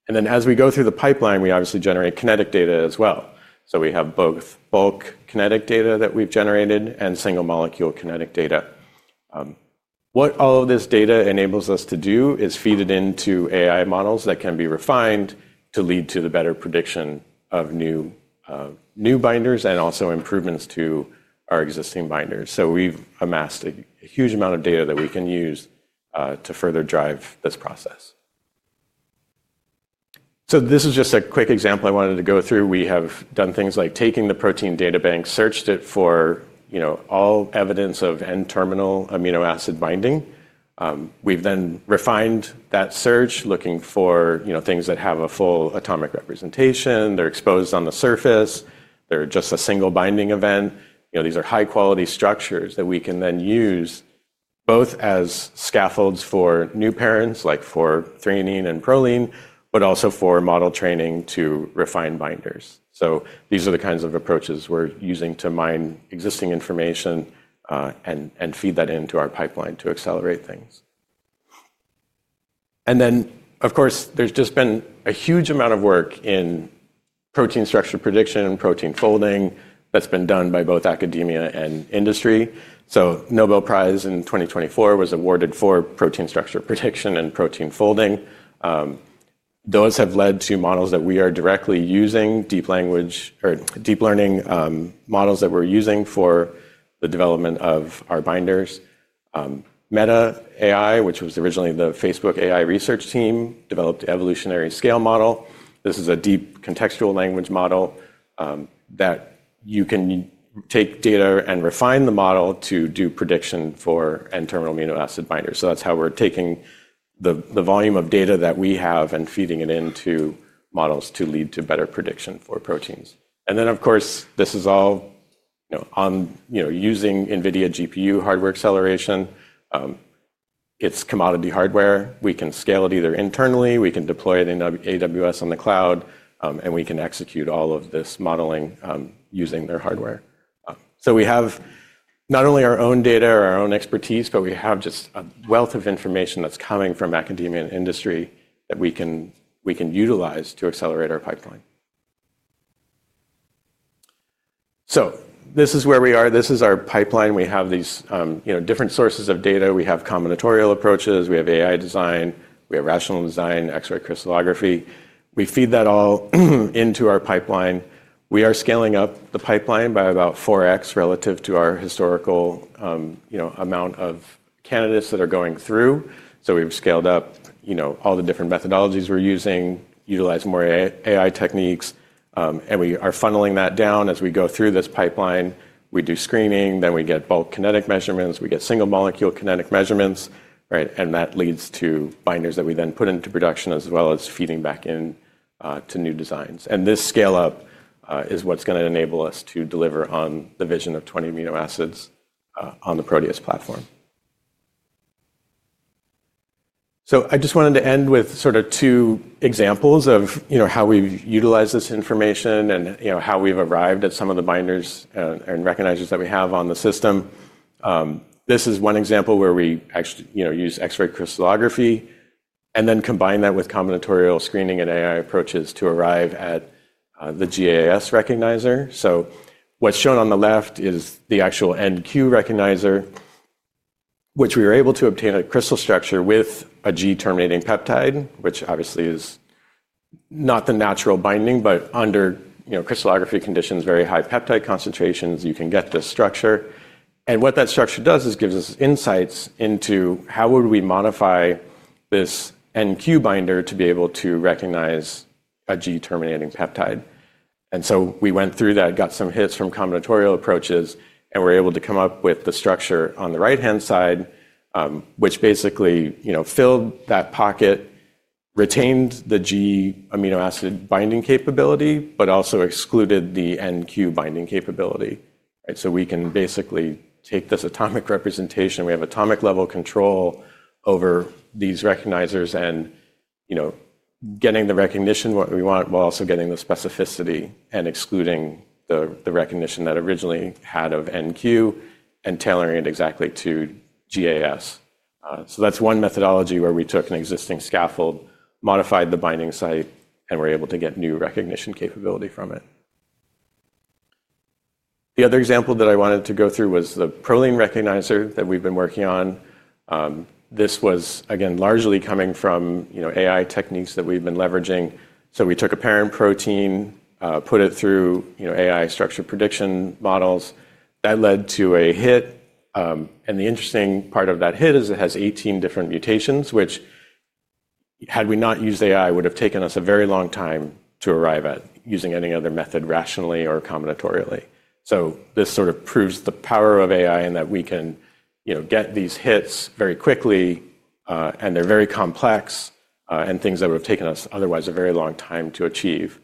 As we go through the pipeline, we obviously generate kinetic data as well. We have both bulk kinetic data that we've generated and single molecule kinetic data. What all of this data enables us to do is feed it into AI models that can be refined to lead to the better prediction of new binders and also improvements to our existing binders. We have amassed a huge amount of data that we can use to further drive this process. This is just a quick example I wanted to go through. We have done things like taking the Protein Data Bank, searched it for all evidence of end-terminal amino acid binding. We have then refined that search looking for things that have a full atomic representation. They are exposed on the surface. They are just a single binding event. These are high-quality structures that we can then use both as scaffolds for new parents, like for threonine and proline, but also for model training to refine binders. These are the kinds of approaches we're using to mine existing information and feed that into our pipeline to accelerate things. Of course, there's just been a huge amount of work in protein structure prediction and protein folding that's been done by both academia and industry. The Nobel Prize in 2024 was awarded for protein structure prediction and protein folding. Those have led to models that we are directly using, deep learning models that we're using for the development of our binders. Meta AI, which was originally the Facebook AI research team, developed an evolutionary scale model. This is a deep contextual language model that you can take data and refine the model to do prediction for end-terminal amino acid binders. That's how we're taking the volume of data that we have and feeding it into models to lead to better prediction for proteins. Of course, this is all using NVIDIA GPU hardware acceleration. It's commodity hardware. We can scale it either internally. We can deploy it in AWS on the cloud, and we can execute all of this modeling using their hardware. We have not only our own data or our own expertise, but we have just a wealth of information that's coming from academia and industry that we can utilize to accelerate our pipeline. This is where we are. This is our pipeline. We have these different sources of data. We have combinatorial approaches. We have AI design. We have rational design, X-ray crystallography. We feed that all into our pipeline. We are scaling up the pipeline by about 4x relative to our historical amount of candidates that are going through. We've scaled up all the different methodologies we're using, utilize more AI techniques. We are funneling that down as we go through this pipeline. We do screening. Then we get bulk kinetic measurements. We get single molecule kinetic measurements. That leads to binders that we then put into production as well as feeding back into new designs. This scale-up is what's going to enable us to deliver on the vision of 20 amino acids on the Proteus platform. I just wanted to end with sort of two examples of how we've utilized this information and how we've arrived at some of the binders and recognizers that we have on the system. This is one example where we actually use X-ray crystallography and then combine that with combinatorial screening and AI approaches to arrive at the GAS recognizer. What's shown on the left is the actual NQ recognizer, which we were able to obtain a crystal structure with a G-terminating peptide, which obviously is not the natural binding, but under crystallography conditions, very high peptide concentrations, you can get this structure. What that structure does is gives us insights into how we would modify this NQ binder to be able to recognize a G-terminating peptide. We went through that, got some hits from combinatorial approaches, and were able to come up with the structure on the right-hand side, which basically filled that pocket, retained the G-amino acid binding capability, but also excluded the NQ binding capability. We can basically take this atomic representation. We have atomic-level control over these recognizers and getting the recognition what we want while also getting the specificity and excluding the recognition that originally had of NQ and tailoring it exactly to GAS. That is one methodology where we took an existing scaffold, modified the binding site, and were able to get new recognition capability from it. The other example that I wanted to go through was the proline recognizer that we've been working on. This was, again, largely coming from AI techniques that we've been leveraging. We took a parent protein, put it through AI structure prediction models. That led to a hit. The interesting part of that hit is it has 18 different mutations, which, had we not used AI, would have taken us a very long time to arrive at using any other method rationally or combinatorially. This sort of proves the power of AI and that we can get these hits very quickly, and they're very complex and things that would have taken us otherwise a very long time to achieve.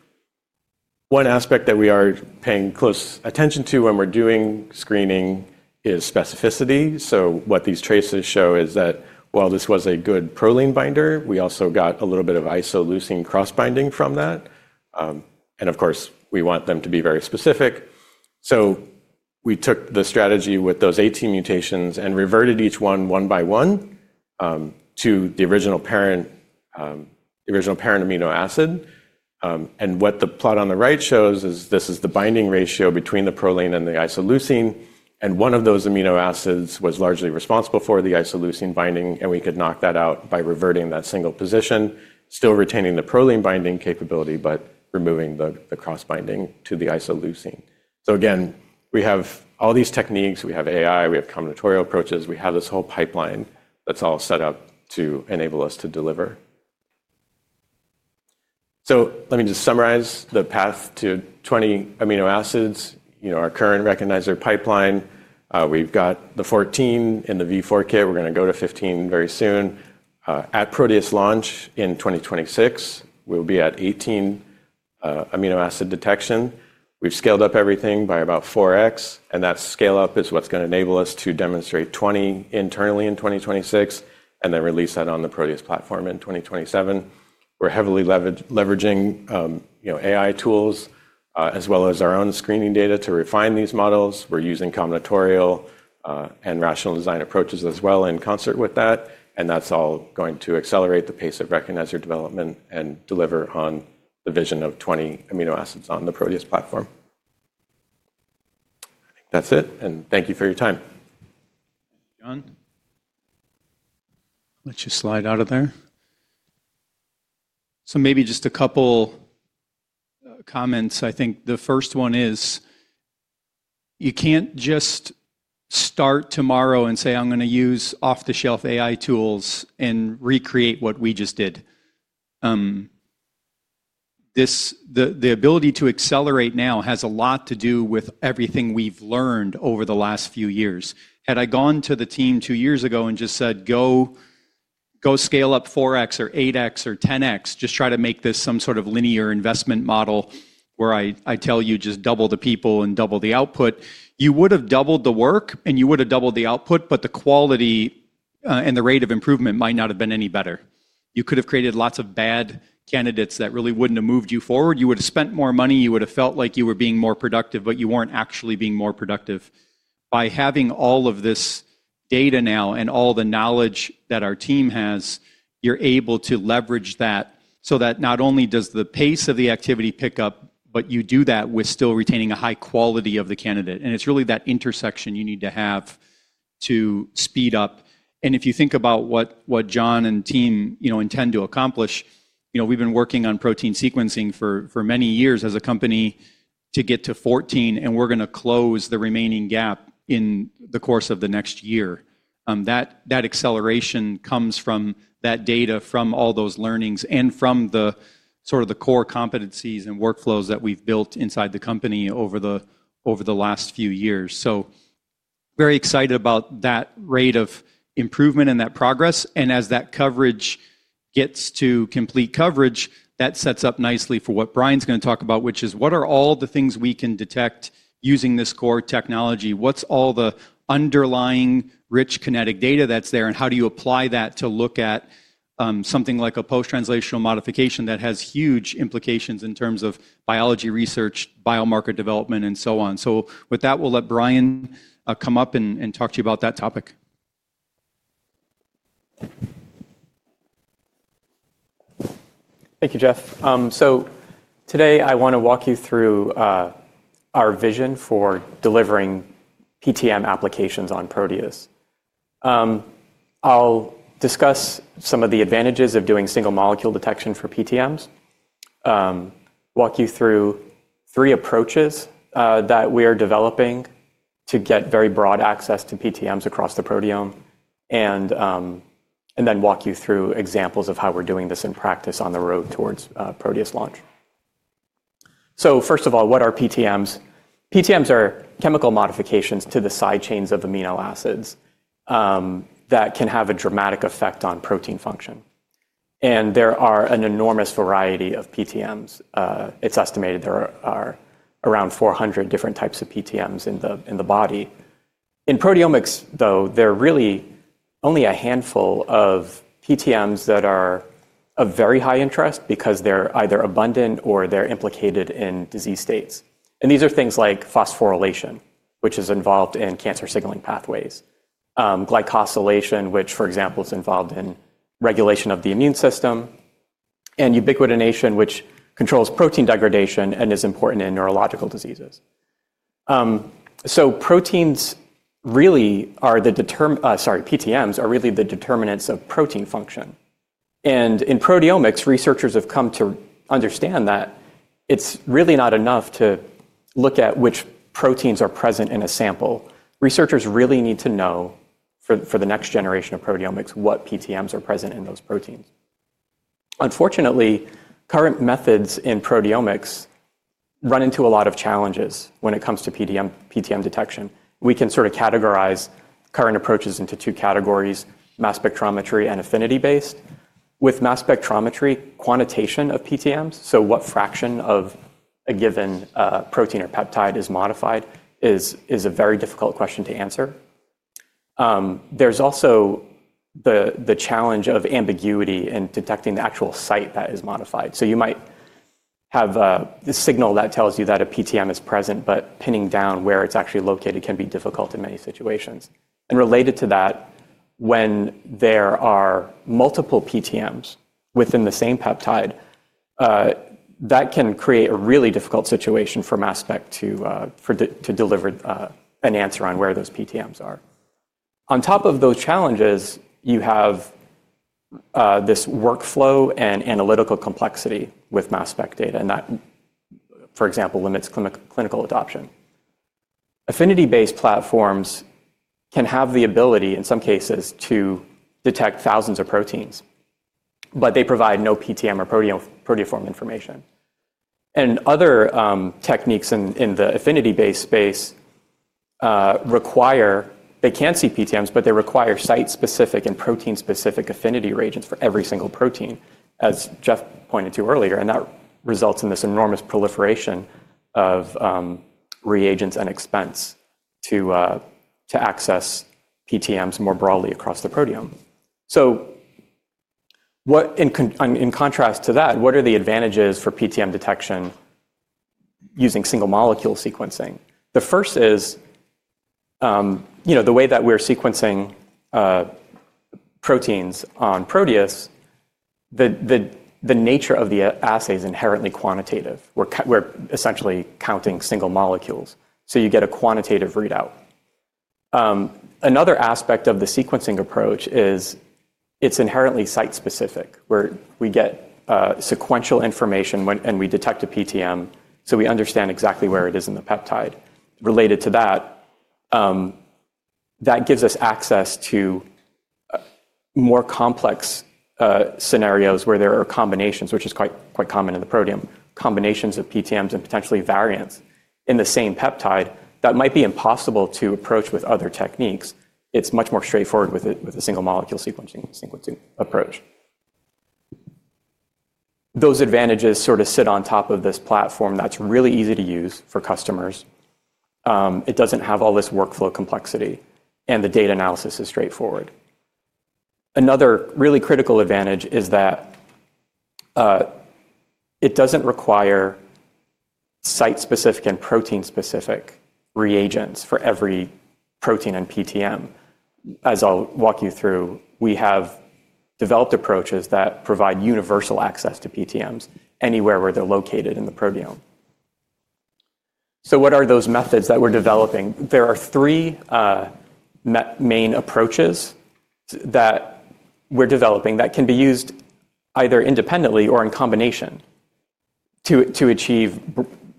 One aspect that we are paying close attention to when we're doing screening is specificity. What these traces show is that while this was a good proline binder, we also got a little bit of isoleucine cross-binding from that. Of course, we want them to be very specific. We took the strategy with those 18 mutations and reverted each one one by one to the original parent amino acid. What the plot on the right shows is this is the binding ratio between the proline and the isoleucine. One of those amino acids was largely responsible for the isoleucine binding, and we could knock that out by reverting that single position, still retaining the proline binding capability, but removing the cross-binding to the isoleucine. We have all these techniques. We have AI. We have combinatorial approaches. We have this whole pipeline that's all set up to enable us to deliver. Let me just summarize the path to 20 amino acids, our current recognizer pipeline. We've got the 14 in the V4 kit. We're going to go to 15 very soon. At Proteus launch in 2026, we'll be at 18 amino acid detection. We've scaled up everything by about 4x. That scale-up is what's going to enable us to demonstrate 20 internally in 2026 and then release that on the Proteus platform in 2027. We're heavily leveraging AI tools as well as our own screening data to refine these models. We're using combinatorial and rational design approaches as well in concert with that. That is all going to accelerate the pace of recognizer development and deliver on the vision of 20 amino acids on the Proteus platform. I think that's it. Thank you for your time. Thank you, John. Let you slide out of there. Maybe just a couple of comments. I think the first one is you can't just start tomorrow and say, "I'm going to use off-the-shelf AI tools and recreate what we just did." The ability to accelerate now has a lot to do with everything we've learned over the last few years. Had I gone to the team two years ago and just said, "Go scale up 4x or 8x or 10x, just try to make this some sort of linear investment model where I tell you just double the people and double the output," you would have doubled the work and you would have doubled the output, but the quality and the rate of improvement might not have been any better. You could have created lots of bad candidates that really wouldn't have moved you forward. You would have spent more money. You would have felt like you were being more productive, but you were not actually being more productive. By having all of this data now and all the knowledge that our team has, you are able to leverage that so that not only does the pace of the activity pick up, but you do that with still retaining a high quality of the candidate. It is really that intersection you need to have to speed up. If you think about what John and team intend to accomplish, we have been working on protein sequencing for many years as a company to get to 14, and we are going to close the remaining gap in the course of the next year. That acceleration comes from that data from all those learnings and from sort of the core competencies and workflows that we have built inside the company over the last few years. Very excited about that rate of improvement and that progress. As that coverage gets to complete coverage, that sets up nicely for what Brian's going to talk about, which is what are all the things we can detect using this core technology? What's all the underlying rich kinetic data that's there, and how do you apply that to look at something like a post-translational modification that has huge implications in terms of biology research, biomarker development, and so on? With that, we'll let Brian come up and talk to you about that topic. Thank you, Jeff. Today I want to walk you through our vision for delivering PTM applications on Proteus. I'll discuss some of the advantages of doing single molecule detection for PTMs, walk you through three approaches that we are developing to get very broad access to PTMs across the proteome, and then walk you through examples of how we're doing this in practice on the road towards Proteus launch. First of all, what are PTMs? PTMs are chemical modifications to the side chains of amino acids that can have a dramatic effect on protein function. There are an enormous variety of PTMs. It's estimated there are around 400 different types of PTMs in the body. In proteomics, though, there are really only a handful of PTMs that are of very high interest because they're either abundant or they're implicated in disease states. These are things like phosphorylation, which is involved in cancer signaling pathways, glycosylation, which, for example, is involved in regulation of the immune system, and ubiquitination, which controls protein degradation and is important in neurological diseases. PTMs are really the determinants of protein function. In proteomics, researchers have come to understand that it is really not enough to look at which proteins are present in a sample. Researchers really need to know for the next generation of proteomics what PTMs are present in those proteins. Unfortunately, current methods in proteomics run into a lot of challenges when it comes to PTM detection. We can sort of categorize current approaches into two categories: mass spectrometry and affinity-based. With mass spectrometry, quantitation of PTMs, so what fraction of a given protein or peptide is modified, is a very difficult question to answer. There's also the challenge of ambiguity in detecting the actual site that is modified. You might have the signal that tells you that a PTM is present, but pinning down where it's actually located can be difficult in many situations. Related to that, when there are multiple PTMs within the same peptide, that can create a really difficult situation for mass spec to deliver an answer on where those PTMs are. On top of those challenges, you have this workflow and analytical complexity with mass spec data, and that, for example, limits clinical adoption. Affinity-based platforms can have the ability, in some cases, to detect thousands of proteins, but they provide no PTM or proteoform information. Other techniques in the affinity-based space require they can't see PTMs, but they require site-specific and protein-specific affinity regions for every single protein, as Jeff pointed to earlier. That results in this enormous proliferation of reagents and expense to access PTMs more broadly across the proteome. In contrast to that, what are the advantages for PTM detection using single molecule sequencing? The first is the way that we're sequencing proteins on Proteus, the nature of the assay is inherently quantitative. We're essentially counting single molecules. You get a quantitative readout. Another aspect of the sequencing approach is it's inherently site-specific, where we get sequential information and we detect a PTM, so we understand exactly where it is in the peptide. Related to that, that gives us access to more complex scenarios where there are combinations, which is quite common in the proteome, combinations of PTMs and potentially variants in the same peptide that might be impossible to approach with other techniques. It's much more straightforward with a single molecule sequencing approach. Those advantages sort of sit on top of this platform that's really easy to use for customers. It doesn't have all this workflow complexity, and the data analysis is straightforward. Another really critical advantage is that it doesn't require site-specific and protein-specific reagents for every protein and PTM. As I'll walk you through, we have developed approaches that provide universal access to PTMs anywhere where they're located in the proteome. What are those methods that we're developing? There are three main approaches that we're developing that can be used either independently or in combination to achieve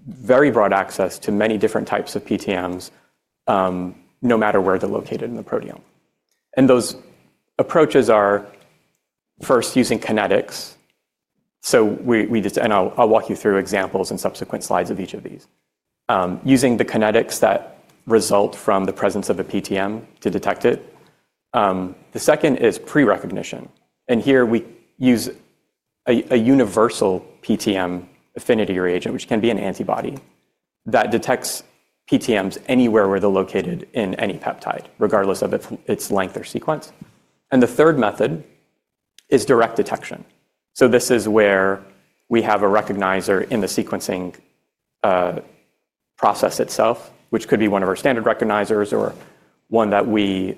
very broad access to many different types of PTMs no matter where they're located in the proteome. Those approaches are first using kinetics. I'll walk you through examples in subsequent slides of each of these. Using the kinetics that result from the presence of a PTM to detect it. The second is pre-recognition. Here we use a universal PTM affinity reagent, which can be an antibody, that detects PTMs anywhere where they're located in any peptide, regardless of its length or sequence. The third method is direct detection. This is where we have a recognizer in the sequencing process itself, which could be one of our standard recognizers or one that we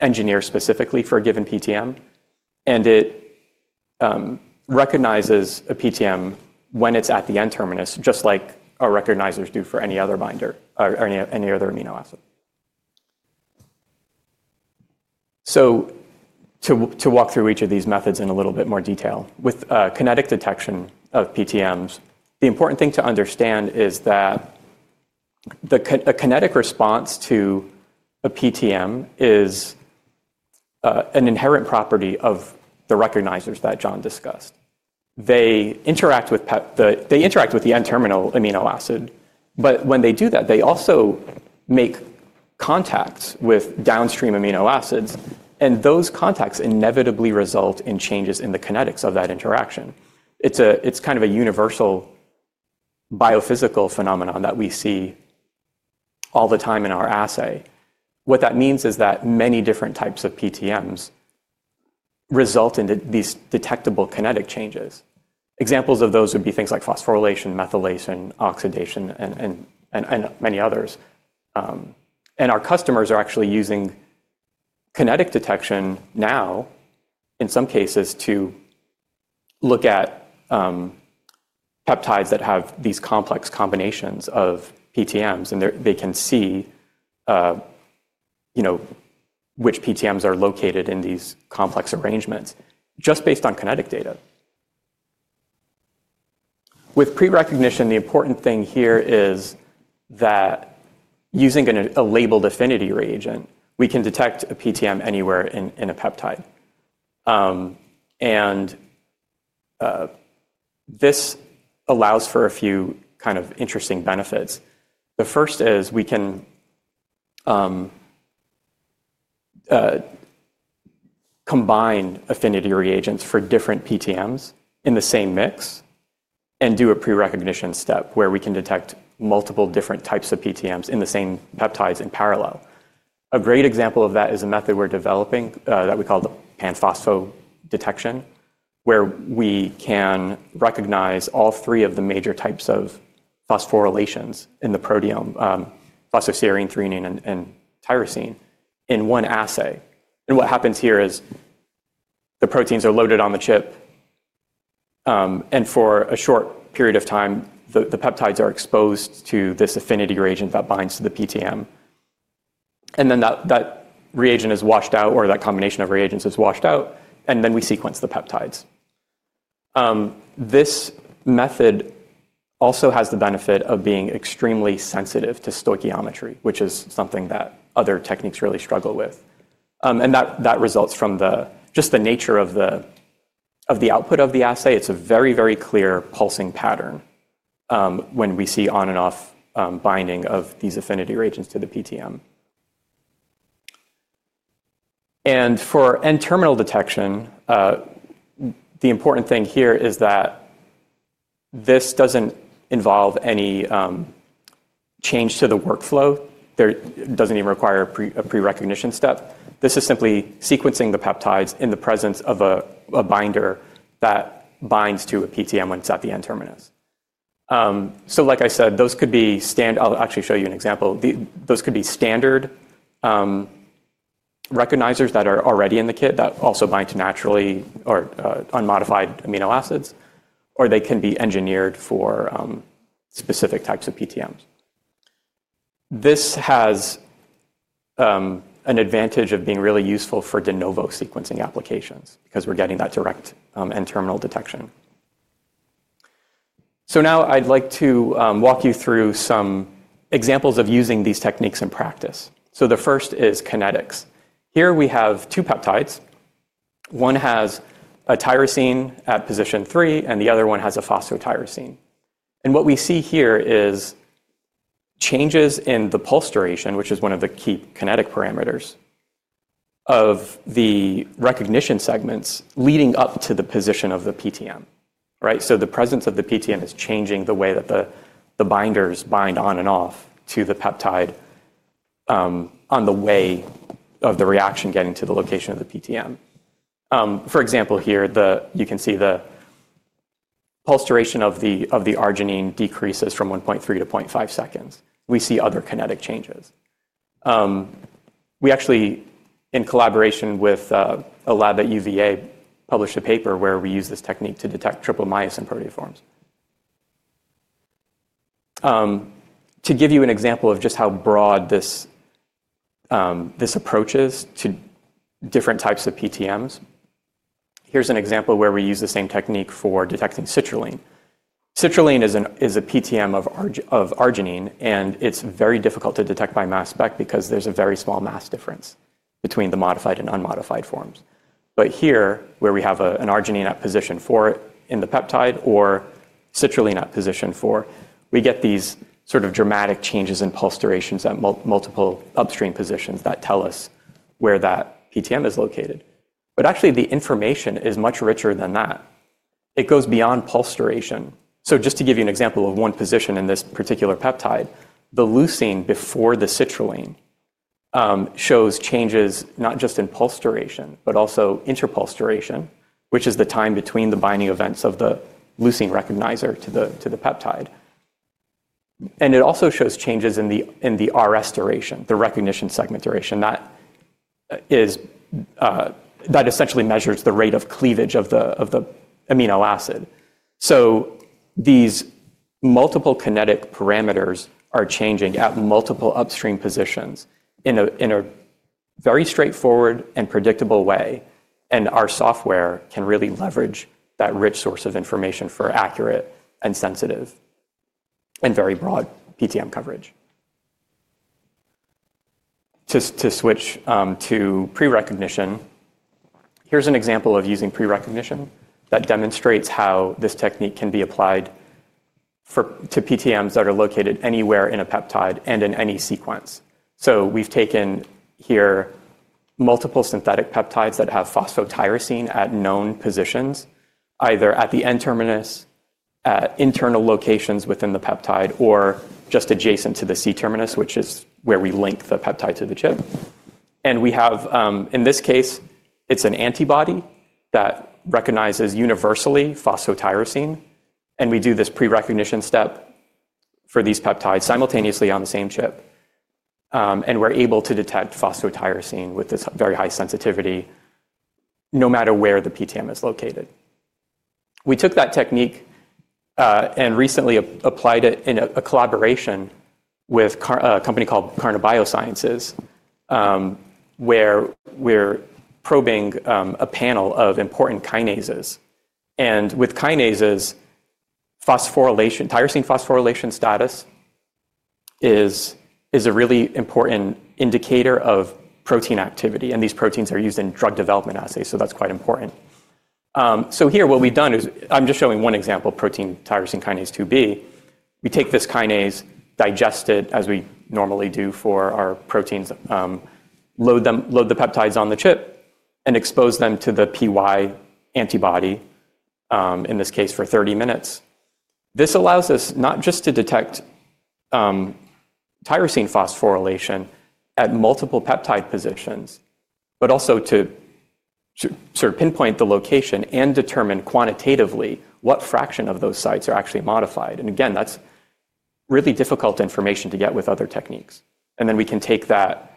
engineer specifically for a given PTM. It recognizes a PTM when it's at the N-terminus, just like our recognizers do for any other binder or any other amino acid. To walk through each of these methods in a little bit more detail, with kinetic detection of PTMs, the important thing to understand is that the kinetic response to a PTM is an inherent property of the recognizers that John discussed. They interact with the N-terminal amino acid, but when they do that, they also make contacts with downstream amino acids, and those contacts inevitably result in changes in the kinetics of that interaction. It's kind of a universal biophysical phenomenon that we see all the time in our assay. What that means is that many different types of PTMs result in these detectable kinetic changes. Examples of those would be things like phosphorylation, methylation, oxidation, and many others. Our customers are actually using kinetic detection now, in some cases, to look at peptides that have these complex combinations of PTMs, and they can see which PTMs are located in these complex arrangements just based on kinetic data. With pre-recognition, the important thing here is that using a labeled affinity reagent, we can detect a PTM anywhere in a peptide. This allows for a few kind of interesting benefits. The first is we can combine affinity reagents for different PTMs in the same mix and do a pre-recognition step where we can detect multiple different types of PTMs in the same peptides in parallel. A great example of that is a method we're developing that we call the pan-phospho-detection, where we can recognize all three of the major types of phosphorylations in the proteome, phosphoserine, threonine, and tyrosine, in one assay. What happens here is the proteins are loaded on the chip, and for a short period of time, the peptides are exposed to this affinity reagent that binds to the PTM. That reagent is washed out, or that combination of reagents is washed out, and then we sequence the peptides. This method also has the benefit of being extremely sensitive to stoichiometry, which is something that other techniques really struggle with. That results from just the nature of the output of the assay. It's a very, very clear pulsing pattern when we see on-and-off binding of these affinity reagents to the PTM. For N-terminal detection, the important thing here is that this doesn't involve any change to the workflow. It doesn't even require a pre-recognition step. This is simply sequencing the peptides in the presence of a binder that binds to a PTM when it's at the N-terminus. Like I said, those could be, I'll actually show you an example, those could be standard recognizers that are already in the kit that also bind to naturally or unmodified amino acids, or they can be engineered for specific types of PTMs. This has an advantage of being really useful for de novo sequencing applications because we're getting that direct N-terminal detection. Now I'd like to walk you through some examples of using these techniques in practice. The first is kinetics. Here we have two peptides. One has a tyrosine at position three, and the other one has a phosphotyrosine. What we see here is changes in the pulse duration, which is one of the key kinetic parameters of the recognition segments leading up to the position of the PTM. The presence of the PTM is changing the way that the binders bind on and off to the peptide on the way of the reaction getting to the location of the PTM. For example, here, you can see the pulse duration of the arginine decreases from 1.3 to 0.5 seconds. We see other kinetic changes. We actually, in collaboration with a lab at University of Virginia, published a paper where we use this technique to detect triple-myosin proteoforms. To give you an example of just how broad this approach is to different types of PTMs, here's an example where we use the same technique for detecting citrulline. Citrulline is a PTM of arginine, and it's very difficult to detect by mass spec because there's a very small mass difference between the modified and unmodified forms. Here, where we have an arginine at position four in the peptide or citrulline at position four, we get these sort of dramatic changes in pulse durations at multiple upstream positions that tell us where that PTM is located. Actually, the information is much richer than that. It goes beyond pulse duration. Just to give you an example of one position in this particular peptide, the leucine before the citrulline shows changes not just in pulse duration, but also interpulse duration, which is the time between the binding events of the leucine recognizer to the peptide. It also shows changes in the RS duration, the recognition segment duration, that essentially measures the rate of cleavage of the amino acid. These multiple kinetic parameters are changing at multiple upstream positions in a very straightforward and predictable way, and our software can really leverage that rich source of information for accurate and sensitive and very broad PTM coverage. To switch to pre-recognition, here's an example of using pre-recognition that demonstrates how this technique can be applied to PTMs that are located anywhere in a peptide and in any sequence. We've taken here multiple synthetic peptides that have phosphotyrosine at known positions, either at the N-terminus, at internal locations within the peptide, or just adjacent to the C-terminus, which is where we link the peptide to the chip. In this case, it's an antibody that recognizes universally phosphotyrosine, and we do this pre-recognition step for these peptides simultaneously on the same chip, and we're able to detect phosphotyrosine with this very high sensitivity no matter where the PTM is located. We took that technique and recently applied it in a collaboration with a company called Karna Biosciences, where we're probing a panel of important kinases. With kinases, tyrosine phosphorylation status is a really important indicator of protein activity, and these proteins are used in drug development assays, so that's quite important. Here, what we've done is I'm just showing one example, protein tyrosine kinase 2B. We take this kinase, digest it as we normally do for our proteins, load the peptides on the chip, and expose them to the PY antibody in this case for 30 minutes. This allows us not just to detect tyrosine phosphorylation at multiple peptide positions, but also to sort of pinpoint the location and determine quantitatively what fraction of those sites are actually modified. That is really difficult information to get with other techniques. We can take that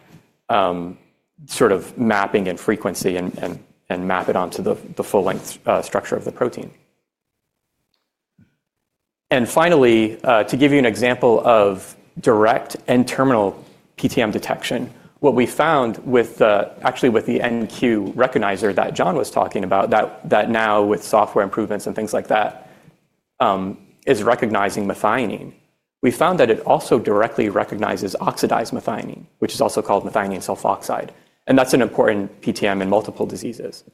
sort of mapping and frequency and map it onto the full-length structure of the protein. Finally, to give you an example of direct N-terminal PTM detection, what we found actually with the NQ recognizer that John was talking about, that now with software improvements and things like that, is recognizing methionine. We found that it also directly recognizes oxidized methionine, which is also called methionine sulfoxide. That is an important PTM in multiple diseases.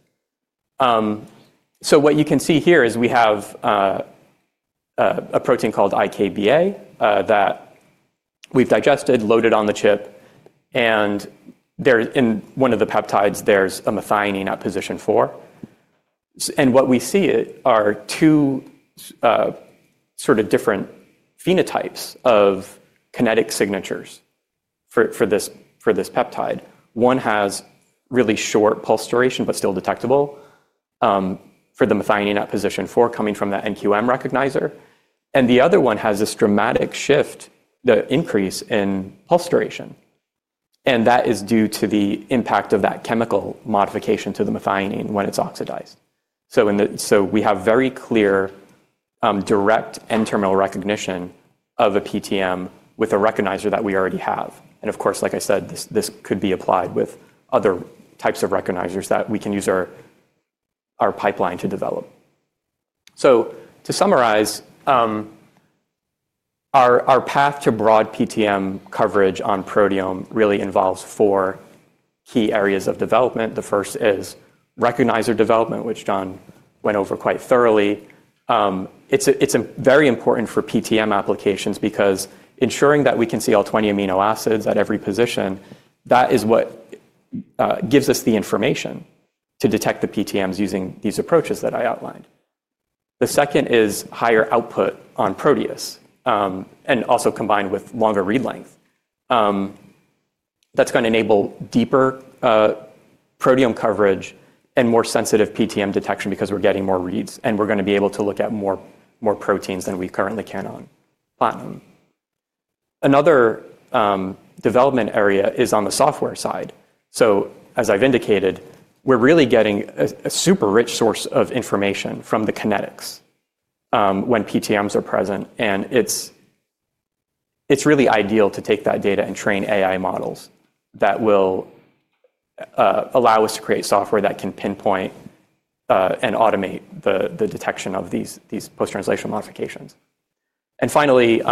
What you can see here is we have a protein called IKBA that we've digested, loaded on the chip, and in one of the peptides, there's a methionine at position four. What we see are two sort of different phenotypes of kinetic signatures for this peptide. One has really short pulse duration, but still detectable for the methionine at position four coming from that NQM recognizer. The other one has this dramatic shift, the increase in pulse duration. That is due to the impact of that chemical modification to the methionine when it's oxidized. We have very clear, direct N-terminal recognition of a PTM with a recognizer that we already have. Of course, like I said, this could be applied with other types of recognizers that we can use our pipeline to develop. To summarize, our path to broad PTM coverage on proteome really involves four key areas of development. The first is recognizer development, which John went over quite thoroughly. It's very important for PTM applications because ensuring that we can see all 20 amino acids at every position, that is what gives us the information to detect the PTMs using these approaches that I outlined. The second is higher output on Proteus and also combined with longer read length. That's going to enable deeper proteome coverage and more sensitive PTM detection because we're getting more reads, and we're going to be able to look at more proteins than we currently can on Platinum. Another development area is on the software side. As I've indicated, we're really getting a super rich source of information from the kinetics when PTMs are present, and it's really ideal to take that data and train AI models that will allow us to create software that can pinpoint and automate the detection of these post-translational modifications. Finally,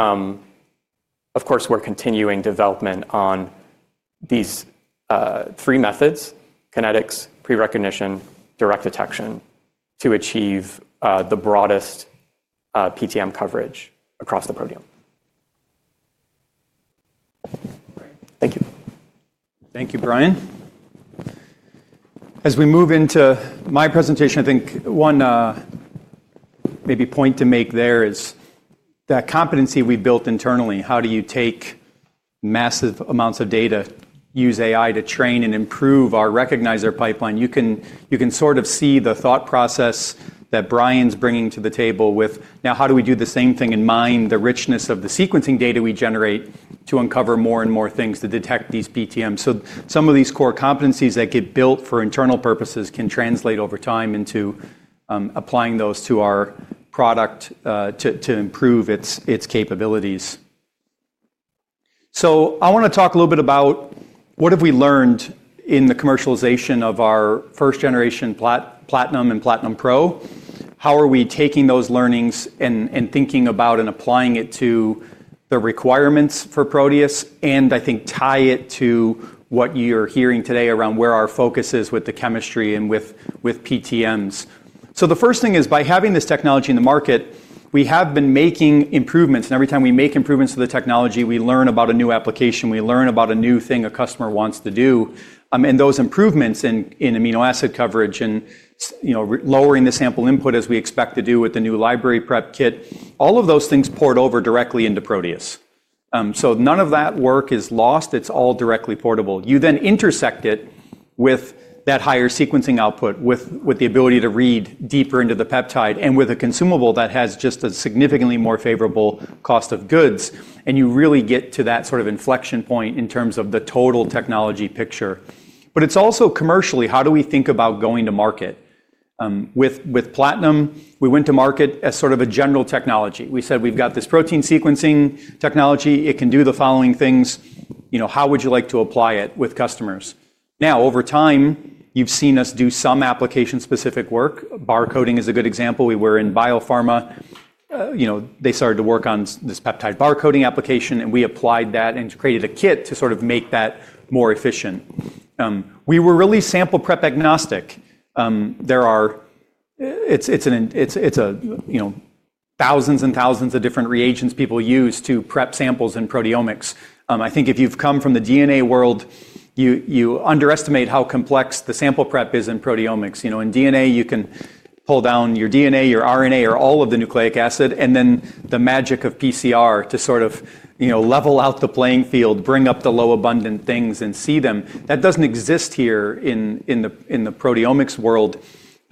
of course, we're continuing development on these three methods: kinetics, pre-recognition, direct detection to achieve the broadest PTM coverage across the proteome. Thank you. Thank you, Brian. As we move into my presentation, I think one maybe point to make there is that competency we've built internally, how do you take massive amounts of data, use AI to train and improve our recognizer pipeline? You can sort of see the thought process that Brian's bringing to the table with now how do we do the same thing and mine the richness of the sequencing data we generate to uncover more and more things to detect these PTMs. Some of these core competencies that get built for internal purposes can translate over time into applying those to our product to improve its capabilities. I want to talk a little bit about what have we learned in the commercialization of our first-generation Platinum and Platinum Pro. How are we taking those learnings and thinking about and applying it to the requirements for Proteus, and I think tie it to what you're hearing today around where our focus is with the chemistry and with PTMs. The first thing is by having this technology in the market, we have been making improvements, and every time we make improvements to the technology, we learn about a new application, we learn about a new thing a customer wants to do. Those improvements in amino acid coverage and lowering the sample input as we expect to do with the new Library Preparation Kit, all of those things port over directly into Proteus. None of that work is lost. It's all directly portable. You then intersect it with that higher sequencing output, with the ability to read deeper into the peptide, and with a consumable that has just a significantly more favorable cost of goods, and you really get to that sort of inflection point in terms of the total technology picture. It is also commercially, how do we think about going to market? With Platinum, we went to market as sort of a general technology. We said, "We've got this protein sequencing technology. It can do the following things. How would you like to apply it with customers?" Now, over time, you've seen us do some application-specific work. Barcoding is a good example. We were in biopharma. They started to work on this peptide barcoding application, and we applied that and created a kit to sort of make that more efficient. We were really sample-prep agnostic. It's thousands and thousands of different reagents people use to prep samples in proteomics. I think if you've come from the DNA world, you underestimate how complex the sample prep is in proteomics. In DNA, you can pull down your DNA, your RNA, or all of the nucleic acid, and then the magic of PCR to sort of level out the playing field, bring up the low-abundant things and see them. That doesn't exist here in the proteomics world.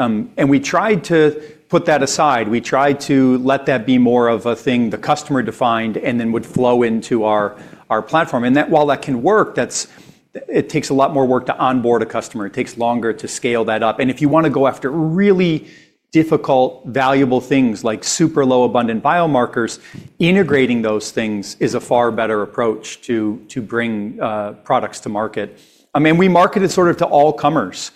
We tried to put that aside. We tried to let that be more of a thing the customer defined and then would flow into our platform. While that can work, it takes a lot more work to onboard a customer. It takes longer to scale that up. If you want to go after really difficult, valuable things like super low-abundant biomarkers, integrating those things is a far better approach to bring products to market. I mean, we market it sort of to all comers.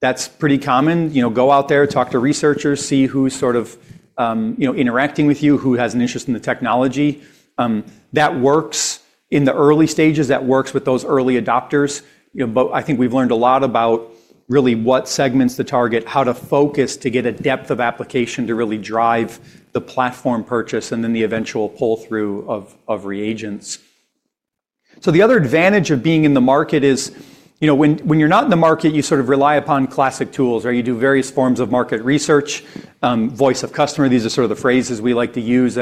That's pretty common. Go out there, talk to researchers, see who's sort of interacting with you, who has an interest in the technology. That works in the early stages. That works with those early adopters. I think we've learned a lot about really what segments to target, how to focus to get a depth of application to really drive the platform purchase and then the eventual pull-through of reagents. The other advantage of being in the market is when you're not in the market, you sort of rely upon classic tools, right? You do various forms of market research, voice of customer. These are sort of the phrases we like to use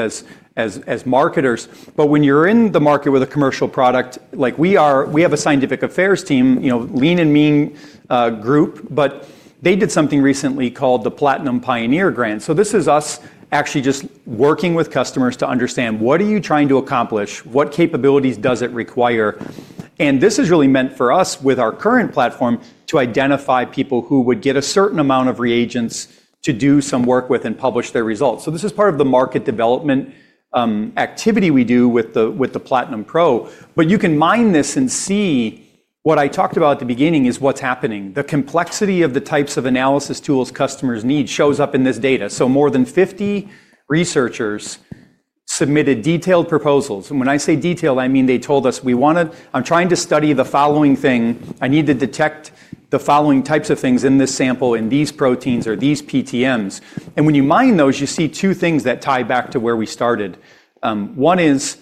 as marketers. When you're in the market with a commercial product, like we are, we have a scientific affairs team, Lean and Mean Group, but they did something recently called the Platinum Pioneer Grant. This is us actually just working with customers to understand what are you trying to accomplish, what capabilities does it require. This is really meant for us with our current platform to identify people who would get a certain amount of reagents to do some work with and publish their results. This is part of the market development activity we do with the Platinum Pro. You can mine this and see what I talked about at the beginning is what's happening. The complexity of the types of analysis tools customers need shows up in this data. More than 50 researchers submitted detailed proposals. When I say detailed, I mean they told us, "I'm trying to study the following thing. I need to detect the following types of things in this sample, in these proteins or these PTMs." When you mine those, you see two things that tie back to where we started. One is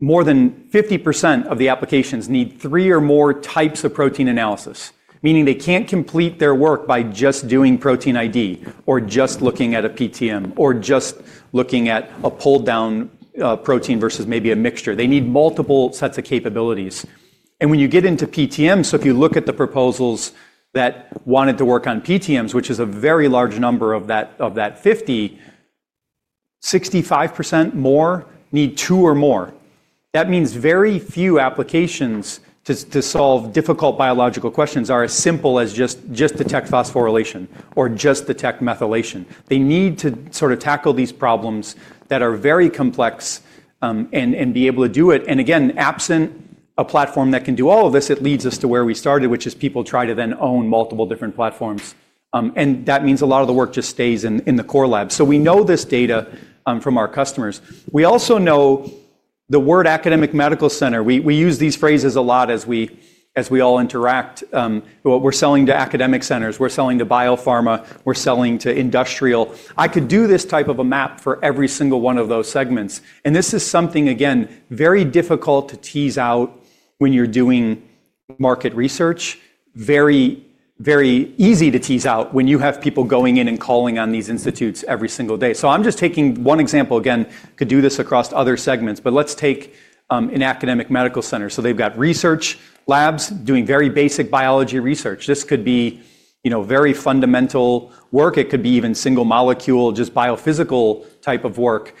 more than 50% of the applications need three or more types of protein analysis, meaning they can't complete their work by just doing protein ID or just looking at a PTM or just looking at a pulldown protein versus maybe a mixture. They need multiple sets of capabilities. When you get into PTMs, if you look at the proposals that wanted to work on PTMs, which is a very large number of that 50, 65% more need two or more. That means very few applications to solve difficult biological questions are as simple as just detect phosphorylation or just detect methylation. They need to sort of tackle these problems that are very complex and be able to do it. Again, absent a platform that can do all of this, it leads us to where we started, which is people try to then own multiple different platforms. That means a lot of the work just stays in the core lab. We know this data from our customers. We also know the word academic medical center. We use these phrases a lot as we all interact. We're selling to academic centers. We're selling to biopharma. We're selling to industrial. I could do this type of a map for every single one of those segments. This is something, again, very difficult to tease out when you're doing market research, very easy to tease out when you have people going in and calling on these institutes every single day. I'm just taking one example again to do this across other segments, but let's take an academic medical center. They've got research labs doing very basic biology research. This could be very fundamental work. It could be even single molecule, just biophysical type of work.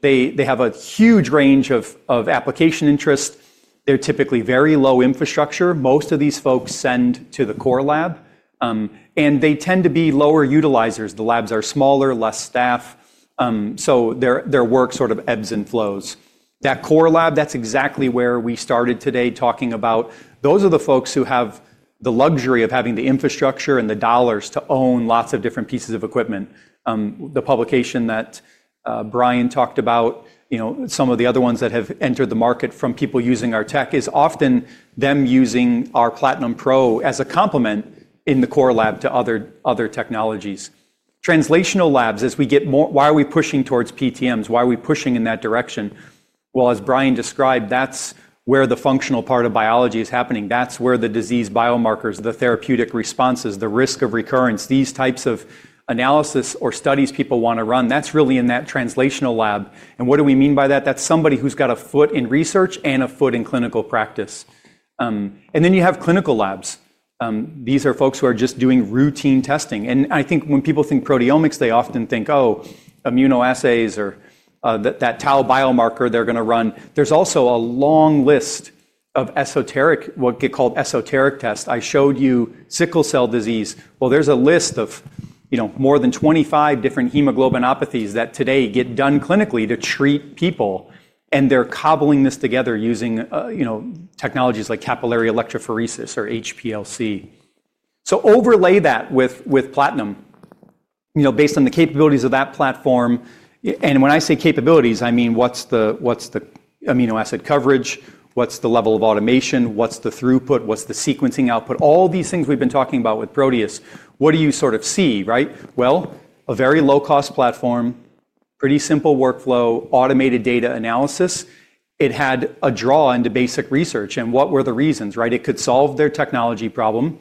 They have a huge range of application interests. They're typically very low infrastructure. Most of these folks send to the core lab, and they tend to be lower utilizers. The labs are smaller, less staff. Their work sort of ebbs and flows. That core lab, that's exactly where we started today talking about. Those are the folks who have the luxury of having the infrastructure and the dollars to own lots of different pieces of equipment. The publication that Brian talked about, some of the other ones that have entered the market from people using our tech, is often them using our Platinum Pro as a complement in the core lab to other technologies. Translational labs, as we get more, why are we pushing towards PTMs? Why are we pushing in that direction? As Brian described, that's where the functional part of biology is happening. That's where the disease biomarkers, the therapeutic responses, the risk of recurrence, these types of analysis or studies people want to run, that's really in that translational lab. What do we mean by that? That's somebody who's got a foot in research and a foot in clinical practice. You have clinical labs. These are folks who are just doing routine testing. I think when people think proteomics, they often think, "Oh, immunoassays or that tau biomarker they're going to run." There's also a long list of what get called esoteric tests. I showed you sickle cell disease. There's a list of more than 25 different hemoglobinopathies that today get done clinically to treat people, and they're cobbling this together using technologies like capillary electrophoresis or HPLC. Overlay that with Platinum based on the capabilities of that platform. When I say capabilities, I mean what's the amino acid coverage, what's the level of automation, what's the throughput, what's the sequencing output, all these things we've been talking about with Proteus. What do you sort of see, right? A very low-cost platform, pretty simple workflow, automated data analysis. It had a draw into basic research. What were the reasons, right? It could solve their technology problem.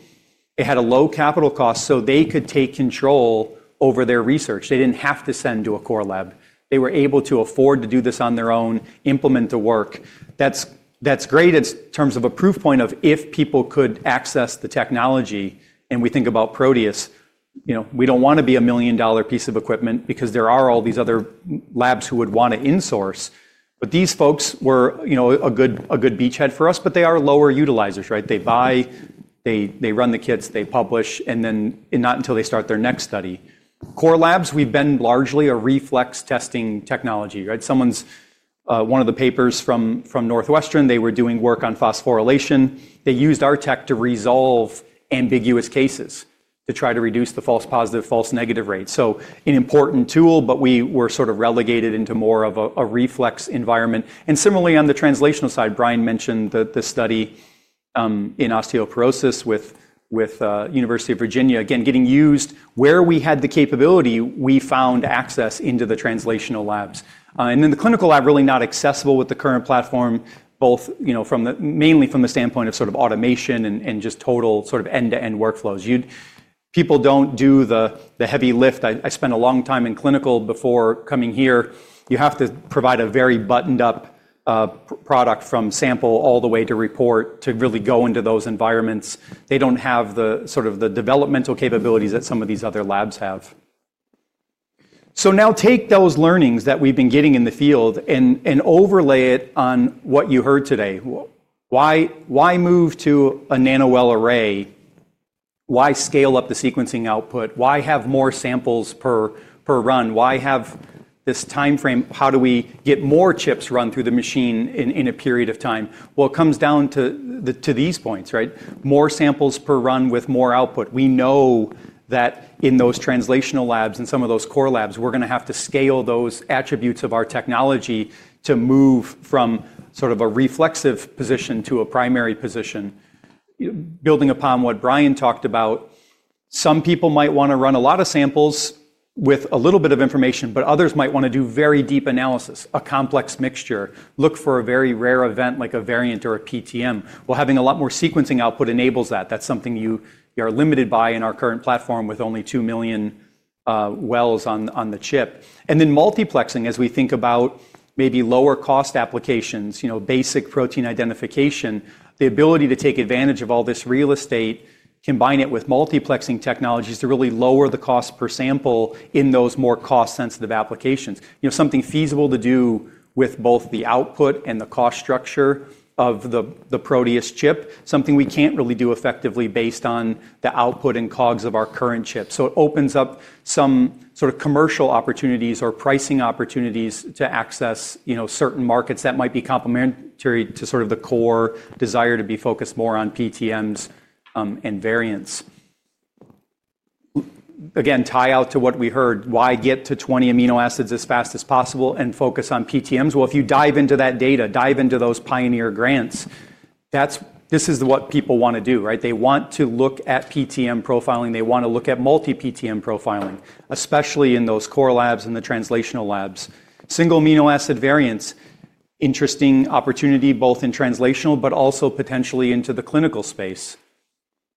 It had a low capital cost, so they could take control over their research. They did not have to send to a core lab. They were able to afford to do this on their own, implement the work. That is great in terms of a proof point of if people could access the technology. We think about Proteus. We do not want to be a million-dollar piece of equipment because there are all these other labs who would want to insource. These folks were a good beachhead for us, but they are lower utilizers, right? They buy, they run the kits, they publish, and then not until they start their next study. Core labs, we have been largely a reflex testing technology, right? One of the papers from Northwestern, they were doing work on phosphorylation. They used our tech to resolve ambiguous cases to try to reduce the false positive, false negative rate. An important tool, but we were sort of relegated into more of a reflex environment. Similarly, on the translational side, Brian mentioned the study in osteoporosis with University of Virginia, again, getting used where we had the capability, we found access into the translational labs. The clinical lab, really not accessible with the current platform, both mainly from the standpoint of sort of automation and just total sort of end-to-end workflows. People do not do the heavy lift. I spent a long time in clinical before coming here. You have to provide a very buttoned-up product from sample all the way to report to really go into those environments. They do not have sort of the developmental capabilities that some of these other labs have. Now take those learnings that we've been getting in the field and overlay it on what you heard today. Why move to a nanowell array? Why scale up the sequencing output? Why have more samples per run? Why have this timeframe? How do we get more chips run through the machine in a period of time? It comes down to these points, right? More samples per run with more output. We know that in those translational labs and some of those core labs, we're going to have to scale those attributes of our technology to move from sort of a reflexive position to a primary position. Building upon what Brian talked about, some people might want to run a lot of samples with a little bit of information, but others might want to do very deep analysis, a complex mixture, look for a very rare event like a variant or a PTM. Having a lot more sequencing output enables that. That is something you are limited by in our current platform with only two million wells on the chip. Multiplexing, as we think about maybe lower-cost applications, basic protein identification, the ability to take advantage of all this real estate, combine it with multiplexing technologies to really lower the cost per sample in those more cost-sensitive applications. Something feasible to do with both the output and the cost structure of the protease chip, something we cannot really do effectively based on the output and cogs of our current chip. It opens up some sort of commercial opportunities or pricing opportunities to access certain markets that might be complementary to sort of the core desire to be focused more on PTMs and variants. Again, tie out to what we heard. Why get to 20 amino acids as fast as possible and focus on PTMs? If you dive into that data, dive into those pioneer grants, this is what people want to do, right? They want to look at PTM profiling. They want to look at multi-PTM profiling, especially in those core labs and the translational labs. Single amino acid variants, interesting opportunity both in translational, but also potentially into the clinical space.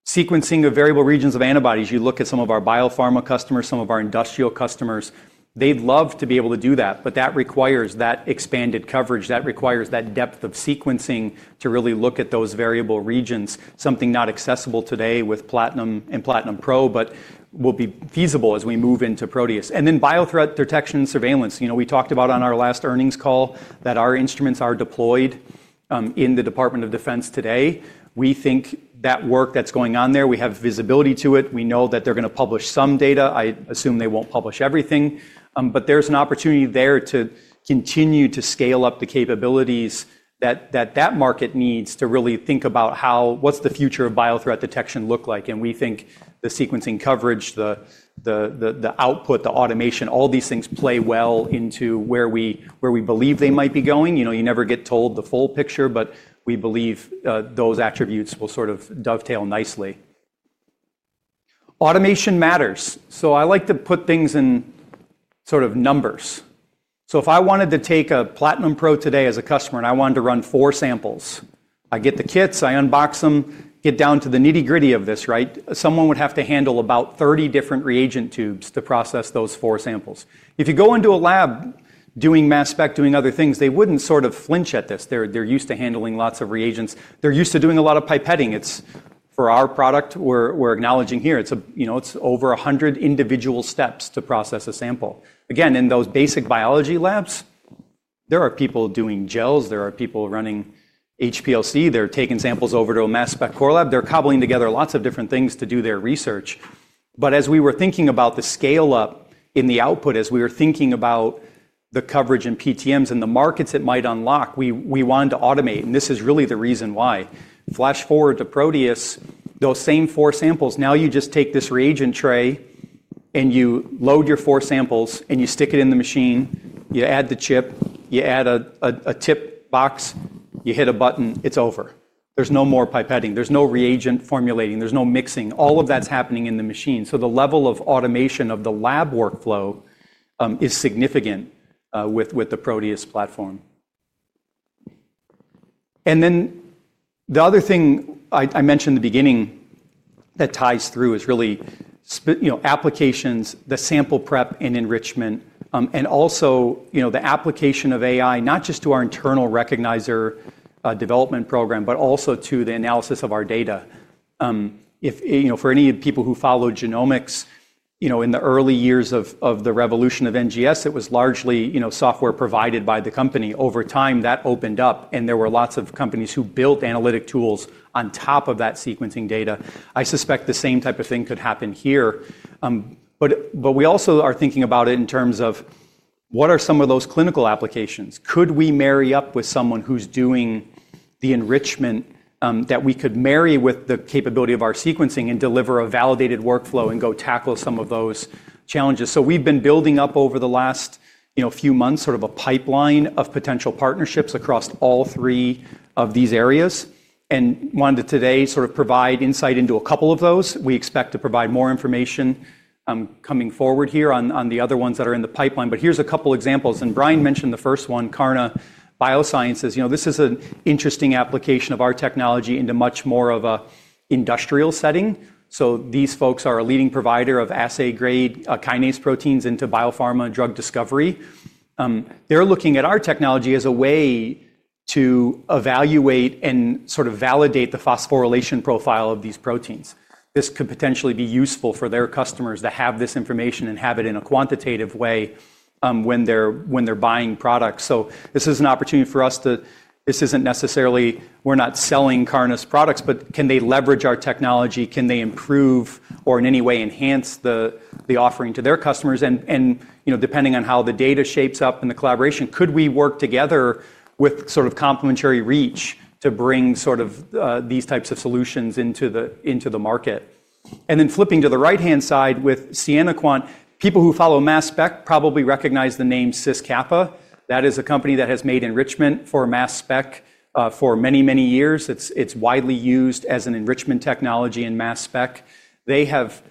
Sequencing of variable regions of antibodies. You look at some of our biopharma customers, some of our industrial customers. They'd love to be able to do that, but that requires that expanded coverage. That requires that depth of sequencing to really look at those variable regions, something not accessible today with Platinum and Platinum Pro, but will be feasible as we move into Proteus. Biothreat detection surveillance. We talked about on our last earnings call that our instruments are deployed in the Department of Defense today. We think that work that's going on there, we have visibility to it. We know that they're going to publish some data. I assume they won't publish everything, but there's an opportunity there to continue to scale up the capabilities that that market needs to really think about what's the future of biothreat detection look like. We think the sequencing coverage, the output, the automation, all these things play well into where we believe they might be going. You never get told the full picture, but we believe those attributes will sort of dovetail nicely. Automation matters. I like to put things in sort of numbers. If I wanted to take a Platinum Pro today as a customer and I wanted to run four samples, I get the kits, I unbox them, get down to the nitty-gritty of this, right? Someone would have to handle about 30 different reagent tubes to process those four samples. If you go into a lab doing mass spec, doing other things, they would not sort of flinch at this. They are used to handling lots of reagents. They are used to doing a lot of pipetting. For our product, we are acknowledging here, it is over 100 individual steps to process a sample. Again, in those basic biology labs, there are people doing gels. There are people running HPLC. They're taking samples over to a mass spec core lab. They're cobbling together lots of different things to do their research. As we were thinking about the scale-up in the output, as we were thinking about the coverage in PTMs and the markets it might unlock, we wanted to automate. This is really the reason why. Flash forward to Proteus, those same four samples, now you just take this reagent tray and you load your four samples and you stick it in the machine, you add the chip, you add a tip box, you hit a button, it's over. There's no more pipetting. There's no reagent formulating. There's no mixing. All of that's happening in the machine. The level of automation of the lab workflow is significant with the Proteus platform. The other thing I mentioned in the beginning that ties through is really applications, the sample prep and enrichment, and also the application of AI, not just to our internal recognizer development program, but also to the analysis of our data. For any of the people who followed genomics, in the early years of the revolution of NGS, it was largely software provided by the company. Over time, that opened up, and there were lots of companies who built analytic tools on top of that sequencing data. I suspect the same type of thing could happen here. We also are thinking about it in terms of what are some of those clinical applications. Could we marry up with someone who's doing the enrichment that we could marry with the capability of our sequencing and deliver a validated workflow and go tackle some of those challenges? We have been building up over the last few months sort of a pipeline of potential partnerships across all three of these areas and wanted to today sort of provide insight into a couple of those. We expect to provide more information coming forward here on the other ones that are in the pipeline. Here are a couple of examples. Brian mentioned the first one, Karna Biosciences. This is an interesting application of our technology into much more of an industrial setting. These folks are a leading provider of assay-grade kinase proteins into biopharma drug discovery. They are looking at our technology as a way to evaluate and sort of validate the phosphorylation profile of these proteins. This could potentially be useful for their customers to have this information and have it in a quantitative way when they are buying products. This is an opportunity for us to—this isn't necessarily—we're not selling Karna Biosciences' products, but can they leverage our technology? Can they improve or in any way enhance the offering to their customers? Depending on how the data shapes up and the collaboration, could we work together with sort of complementary reach to bring sort of these types of solutions into the market? Flipping to the right-hand side with SiennaQuant, people who follow mass spec probably recognize the name SysCapa. That is a company that has made enrichment for mass spec for many, many years. It is widely used as an enrichment technology in mass spec. They have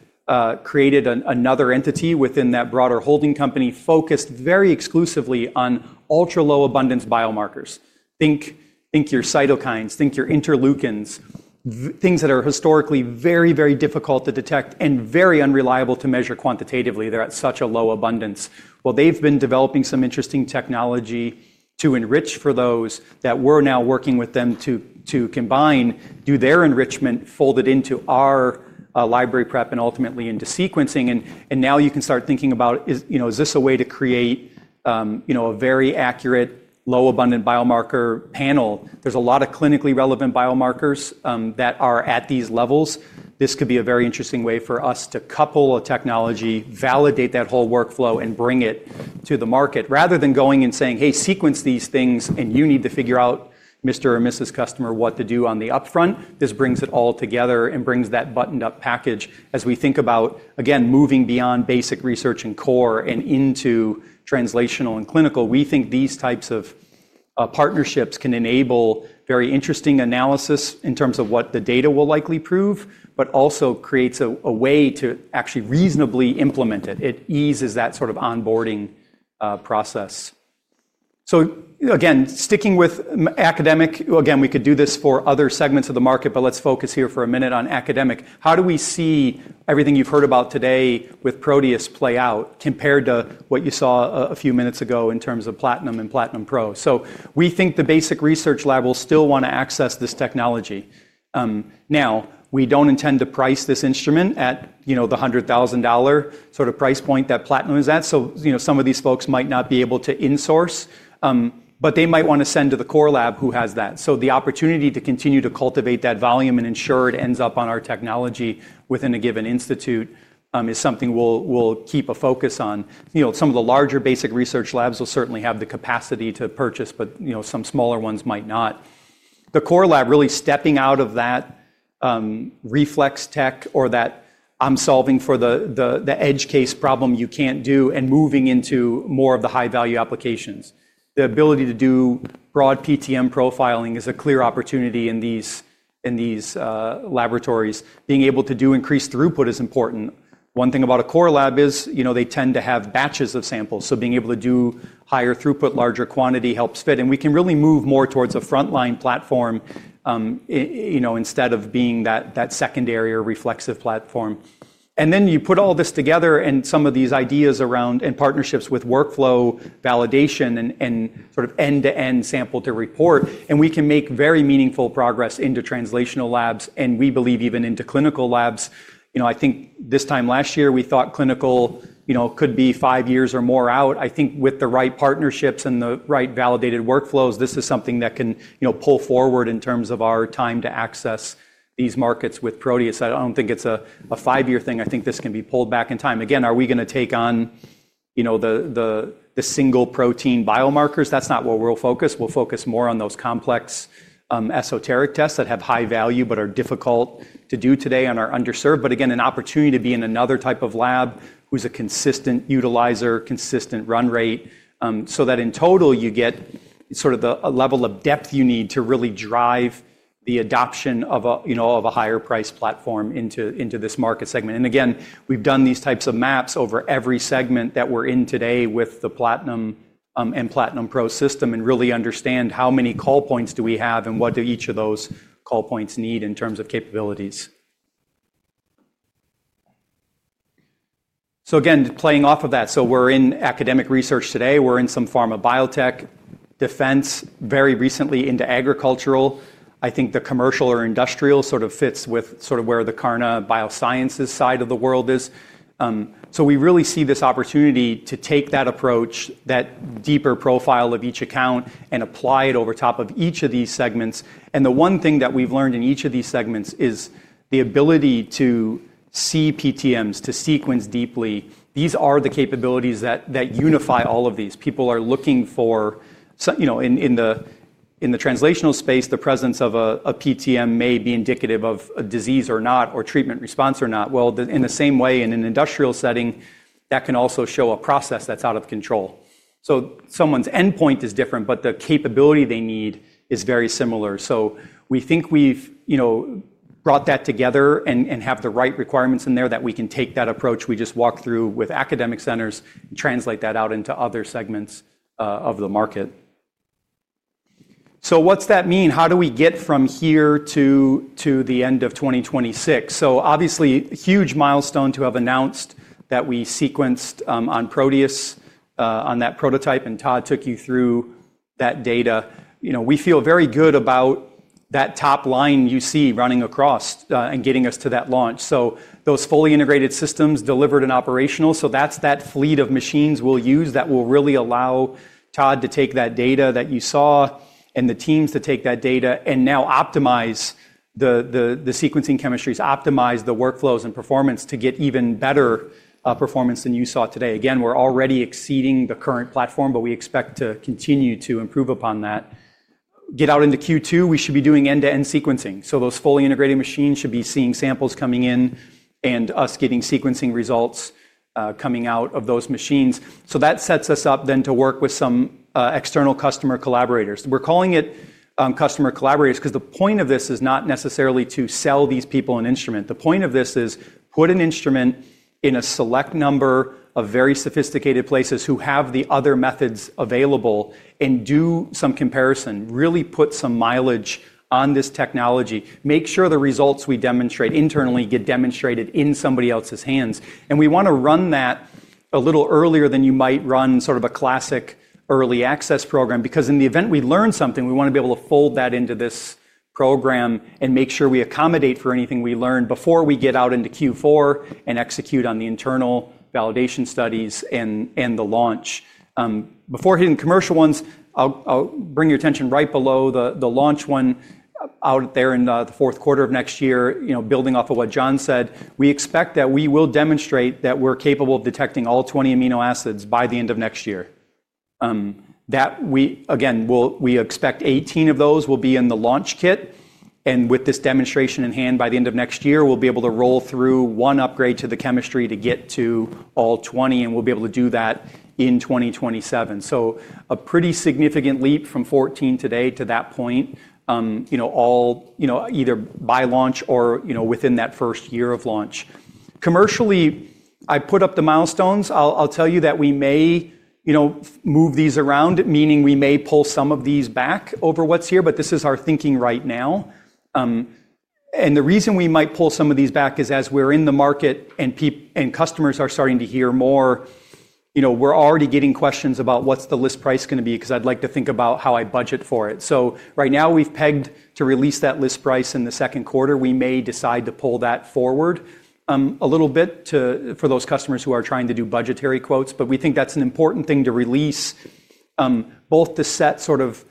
created another entity within that broader holding company focused very exclusively on ultra-low abundance biomarkers. Think your cytokines, think your interleukins, things that are historically very, very difficult to detect and very unreliable to measure quantitatively. They're at such a low abundance. They've been developing some interesting technology to enrich for those that we're now working with them to combine, do their enrichment folded into our library prep and ultimately into sequencing. Now you can start thinking about, is this a way to create a very accurate low-abundant biomarker panel? There's a lot of clinically relevant biomarkers that are at these levels. This could be a very interesting way for us to couple a technology, validate that whole workflow, and bring it to the market. Rather than going and saying, "Hey, sequence these things, and you need to figure out, Mr. or Mrs. Customer, what to do on the upfront," this brings it all together and brings that buttoned-up package as we think about, again, moving beyond basic research and core and into translational and clinical. We think these types of partnerships can enable very interesting analysis in terms of what the data will likely prove, but also creates a way to actually reasonably implement it. It eases that sort of onboarding process. Again, sticking with academic, again, we could do this for other segments of the market, but let's focus here for a minute on academic. How do we see everything you've heard about today with Proteus play out compared to what you saw a few minutes ago in terms of Platinum and Platinum Pro? We think the basic research lab will still want to access this technology. Now, we don't intend to price this instrument at the $100,000 sort of price point that Platinum is at. Some of these folks might not be able to insource, but they might want to send to the core lab who has that. The opportunity to continue to cultivate that volume and ensure it ends up on our technology within a given institute is something we'll keep a focus on. Some of the larger basic research labs will certainly have the capacity to purchase, but some smaller ones might not. The core lab really stepping out of that reflex tech or that I'm solving for the edge case problem you can't do and moving into more of the high-value applications. The ability to do broad PTM profiling is a clear opportunity in these laboratories. Being able to do increased throughput is important. One thing about a core lab is they tend to have batches of samples. Being able to do higher throughput, larger quantity helps fit. We can really move more towards a frontline platform instead of being that secondary or reflexive platform. You put all this together and some of these ideas around partnerships with workflow validation and sort of end-to-end sample to report, and we can make very meaningful progress into translational labs and we believe even into clinical labs. I think this time last year we thought clinical could be five years or more out. I think with the right partnerships and the right validated workflows, this is something that can pull forward in terms of our time to access these markets with Proteus. I do not think it is a five-year thing. I think this can be pulled back in time. Again, are we going to take on the single protein biomarkers? That is not what we will focus. We will focus more on those complex esoteric tests that have high value but are difficult to do today and are underserved. Again, an opportunity to be in another type of lab who's a consistent utilizer, consistent run rate, so that in total you get sort of the level of depth you need to really drive the adoption of a higher-priced platform into this market segment. Again, we've done these types of maps over every segment that we're in today with the Platinum and Platinum Pro system and really understand how many call points do we have and what do each of those call points need in terms of capabilities. Again, playing off of that, we're in academic research today. We're in some pharma biotech, defense, very recently into agricultural. I think the commercial or industrial sort of fits with sort of where the Karna Biosciences side of the world is. We really see this opportunity to take that approach, that deeper profile of each account and apply it over top of each of these segments. The one thing that we've learned in each of these segments is the ability to see PTMs, to sequence deeply. These are the capabilities that unify all of these. People are looking for, in the translational space, the presence of a PTM may be indicative of a disease or not, or treatment response or not. In the same way, in an industrial setting, that can also show a process that's out of control. Someone's endpoint is different, but the capability they need is very similar. We think we've brought that together and have the right requirements in there that we can take that approach. We just walk through with academic centers and translate that out into other segments of the market. What's that mean? How do we get from here to the end of 2026? Obviously, huge milestone to have announced that we sequenced on Proteus, on that prototype, and Todd took you through that data. We feel very good about that top line you see running across and getting us to that launch. Those fully integrated systems delivered and operational. That's that fleet of machines we'll use that will really allow Todd to take that data that you saw and the teams to take that data and now optimize the sequencing chemistries, optimize the workflows and performance to get even better performance than you saw today. Again, we're already exceeding the current platform, but we expect to continue to improve upon that. Get out into Q2, we should be doing end-to-end sequencing. Those fully integrated machines should be seeing samples coming in and us getting sequencing results coming out of those machines. That sets us up then to work with some external customer collaborators. We're calling it customer collaborators because the point of this is not necessarily to sell these people an instrument. The point of this is to put an instrument in a select number of very sophisticated places who have the other methods available and do some comparison, really put some mileage on this technology, make sure the results we demonstrate internally get demonstrated in somebody else's hands. We want to run that a little earlier than you might run sort of a classic early access program because in the event we learn something, we want to be able to fold that into this program and make sure we accommodate for anything we learn before we get out into Q4 and execute on the internal validation studies and the launch. Before hitting commercial ones, I'll bring your attention right below the launch one out there in the fourth quarter of next year, building off of what John said. We expect that we will demonstrate that we're capable of detecting all 20 amino acids by the end of next year. Again, we expect 18 of those will be in the launch kit. With this demonstration in hand by the end of next year, we'll be able to roll through one upgrade to the chemistry to get to all 20, and we'll be able to do that in 2027. A pretty significant leap from 14 today to that point, either by launch or within that first year of launch. Commercially, I put up the milestones. I'll tell you that we may move these around, meaning we may pull some of these back over what's here, but this is our thinking right now. The reason we might pull some of these back is as we're in the market and customers are starting to hear more, we're already getting questions about what's the list price going to be because I'd like to think about how I budget for it. Right now, we've pegged to release that list price in the second quarter. We may decide to pull that forward a little bit for those customers who are trying to do budgetary quotes, but we think that's an important thing to release both to set sort of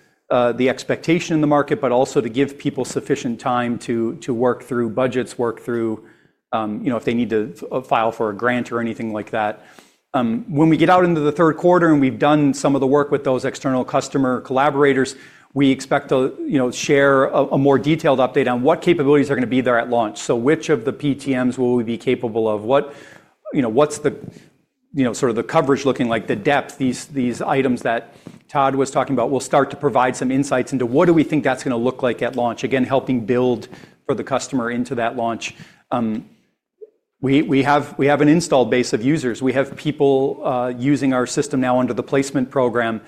the expectation in the market, but also to give people sufficient time to work through budgets, work through if they need to file for a grant or anything like that. When we get out into the third quarter and we've done some of the work with those external customer collaborators, we expect to share a more detailed update on what capabilities are going to be there at launch. Which of the PTMs will we be capable of? What's sort of the coverage looking like, the depth? These items that Todd was talking about will start to provide some insights into what do we think that's going to look like at launch, again, helping build for the customer into that launch. We have an installed base of users. We have people using our system now under the placement program.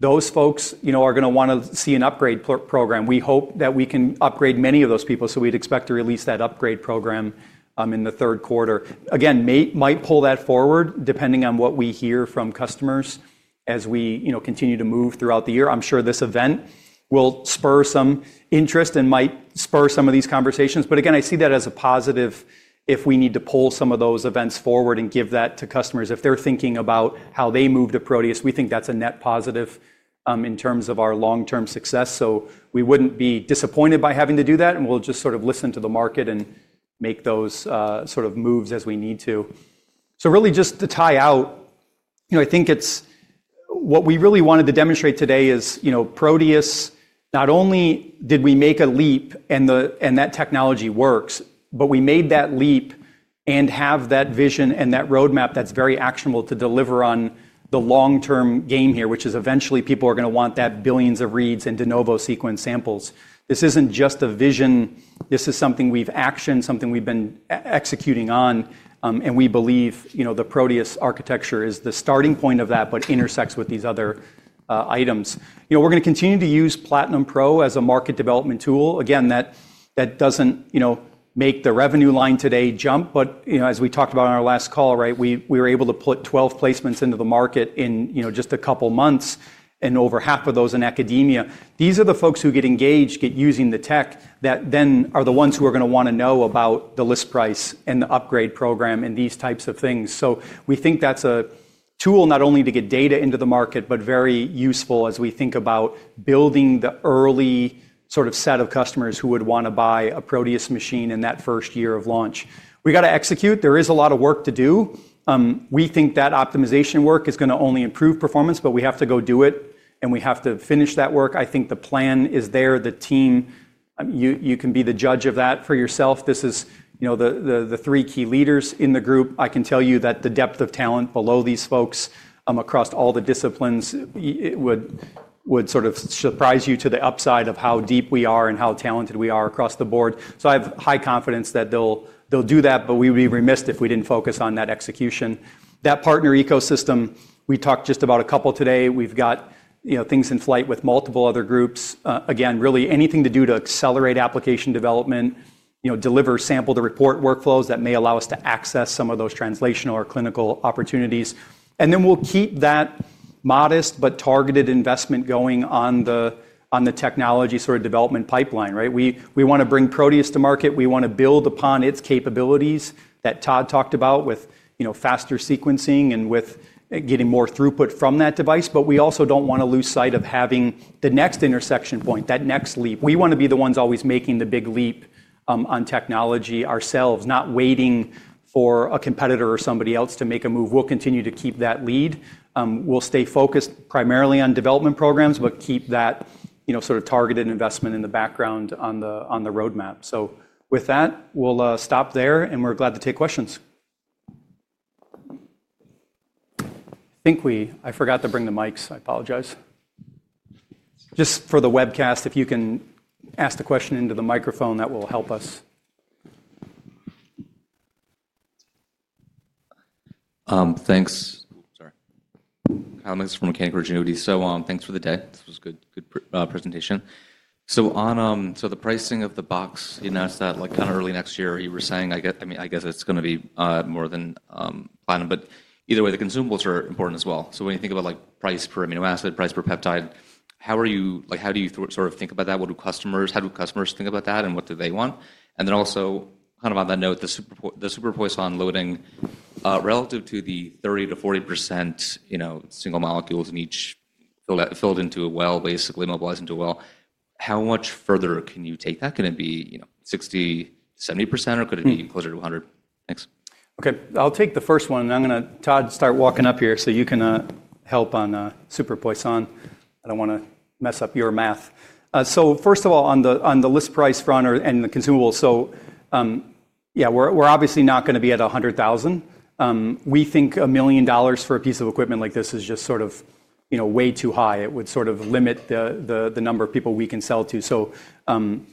Those folks are going to want to see an upgrade program. We hope that we can upgrade many of those people, so we'd expect to release that upgrade program in the third quarter. Again, might pull that forward depending on what we hear from customers as we continue to move throughout the year. I'm sure this event will spur some interest and might spur some of these conversations. I see that as a positive if we need to pull some of those events forward and give that to customers. If they're thinking about how they move to protease, we think that's a net positive in terms of our long-term success. We wouldn't be disappointed by having to do that, and we'll just sort of listen to the market and make those sort of moves as we need to. Really just to tie out, I think what we really wanted to demonstrate today is protease, not only did we make a leap and that technology works, but we made that leap and have that vision and that roadmap that's very actionable to deliver on the long-term game here, which is eventually people are going to want that billions of reads and de novo sequence samples. This isn't just a vision. This is something we've actioned, something we've been executing on, and we believe the protease architecture is the starting point of that, but intersects with these other items. We're going to continue to use Platinum Pro as a market development tool. Again, that doesn't make the revenue line today jump, but as we talked about on our last call, right, we were able to put 12 placements into the market in just a couple of months and over half of those in academia. These are the folks who get engaged, get using the tech that then are the ones who are going to want to know about the list price and the upgrade program and these types of things. We think that's a tool not only to get data into the market, but very useful as we think about building the early sort of set of customers who would want to buy a Proteus machine in that first year of launch. We got to execute. There is a lot of work to do. We think that optimization work is going to only improve performance, but we have to go do it, and we have to finish that work. I think the plan is there. The team, you can be the judge of that for yourself. This is the three key leaders in the group. I can tell you that the depth of talent below these folks across all the disciplines would sort of surprise you to the upside of how deep we are and how talented we are across the board. I have high confidence that they'll do that, but we would be remiss if we did not focus on that execution. That partner ecosystem, we talked just about a couple today. We have things in flight with multiple other groups. Again, really anything to do to accelerate application development, deliver sample-to-report workflows that may allow us to access some of those translational or clinical opportunities. We will keep that modest but targeted investment going on the technology sort of development pipeline, right? We want to bring Proteus to market. We want to build upon its capabilities that Todd talked about with faster sequencing and with getting more throughput from that device, but we also do not want to lose sight of having the next intersection point, that next leap. We want to be the ones always making the big leap on technology ourselves, not waiting for a competitor or somebody else to make a move. We will continue to keep that lead. We will stay focused primarily on development programs, but keep that sort of targeted investment in the background on the roadmap. With that, we'll stop there, and we're glad to take questions. I think we—I forgot to bring the mics. I apologize. Just for the webcast, if you can ask the question into the microphone, that will help us. Thanks. Sorry. Kyle Mikson Canaccord Genuity. Thanks for the day. This was a good presentation. On the pricing of the box, you announced that kind of early next year. You were saying, I mean, I guess it's going to be more than Platinum, but either way, the consumables are important as well. When you think about price per amino acid, price per peptide, how do you sort of think about that? What do customers—how do customers think about that, and what do they want? And then also, kind of on that note, the super Poisson loading relative to the 30-40% single molecules filled into a well, basically mobilized into a well, how much further can you take that? Can it be 60, 70%, or could it be closer to 100%? Thanks. Okay. I'll take the first one, and I'm going to—Todd, start walking up here so you can help on super Poisson. I don't want to mess up your math. First of all, on the list price front and the consumables, so yeah, we're obviously not going to be at $100,000. We think $1 million for a piece of equipment like this is just sort of way too high. It would sort of limit the number of people we can sell to.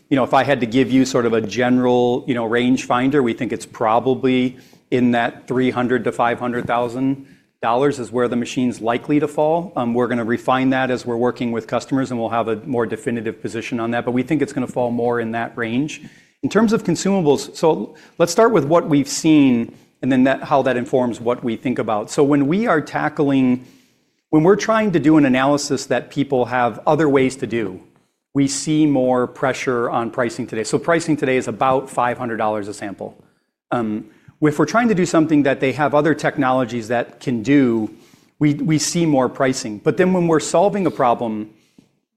If I had to give you sort of a general range finder, we think it's probably in that $300,000-$500,000 is where the machine's likely to fall. We're going to refine that as we're working with customers, and we'll have a more definitive position on that, but we think it's going to fall more in that range. In terms of consumables, let's start with what we've seen and then how that informs what we think about. When we are tackling—when we're trying to do an analysis that people have other ways to do, we see more pressure on pricing today. Pricing today is about $500 a sample. If we're trying to do something that they have other technologies that can do, we see more pricing. When we're solving a problem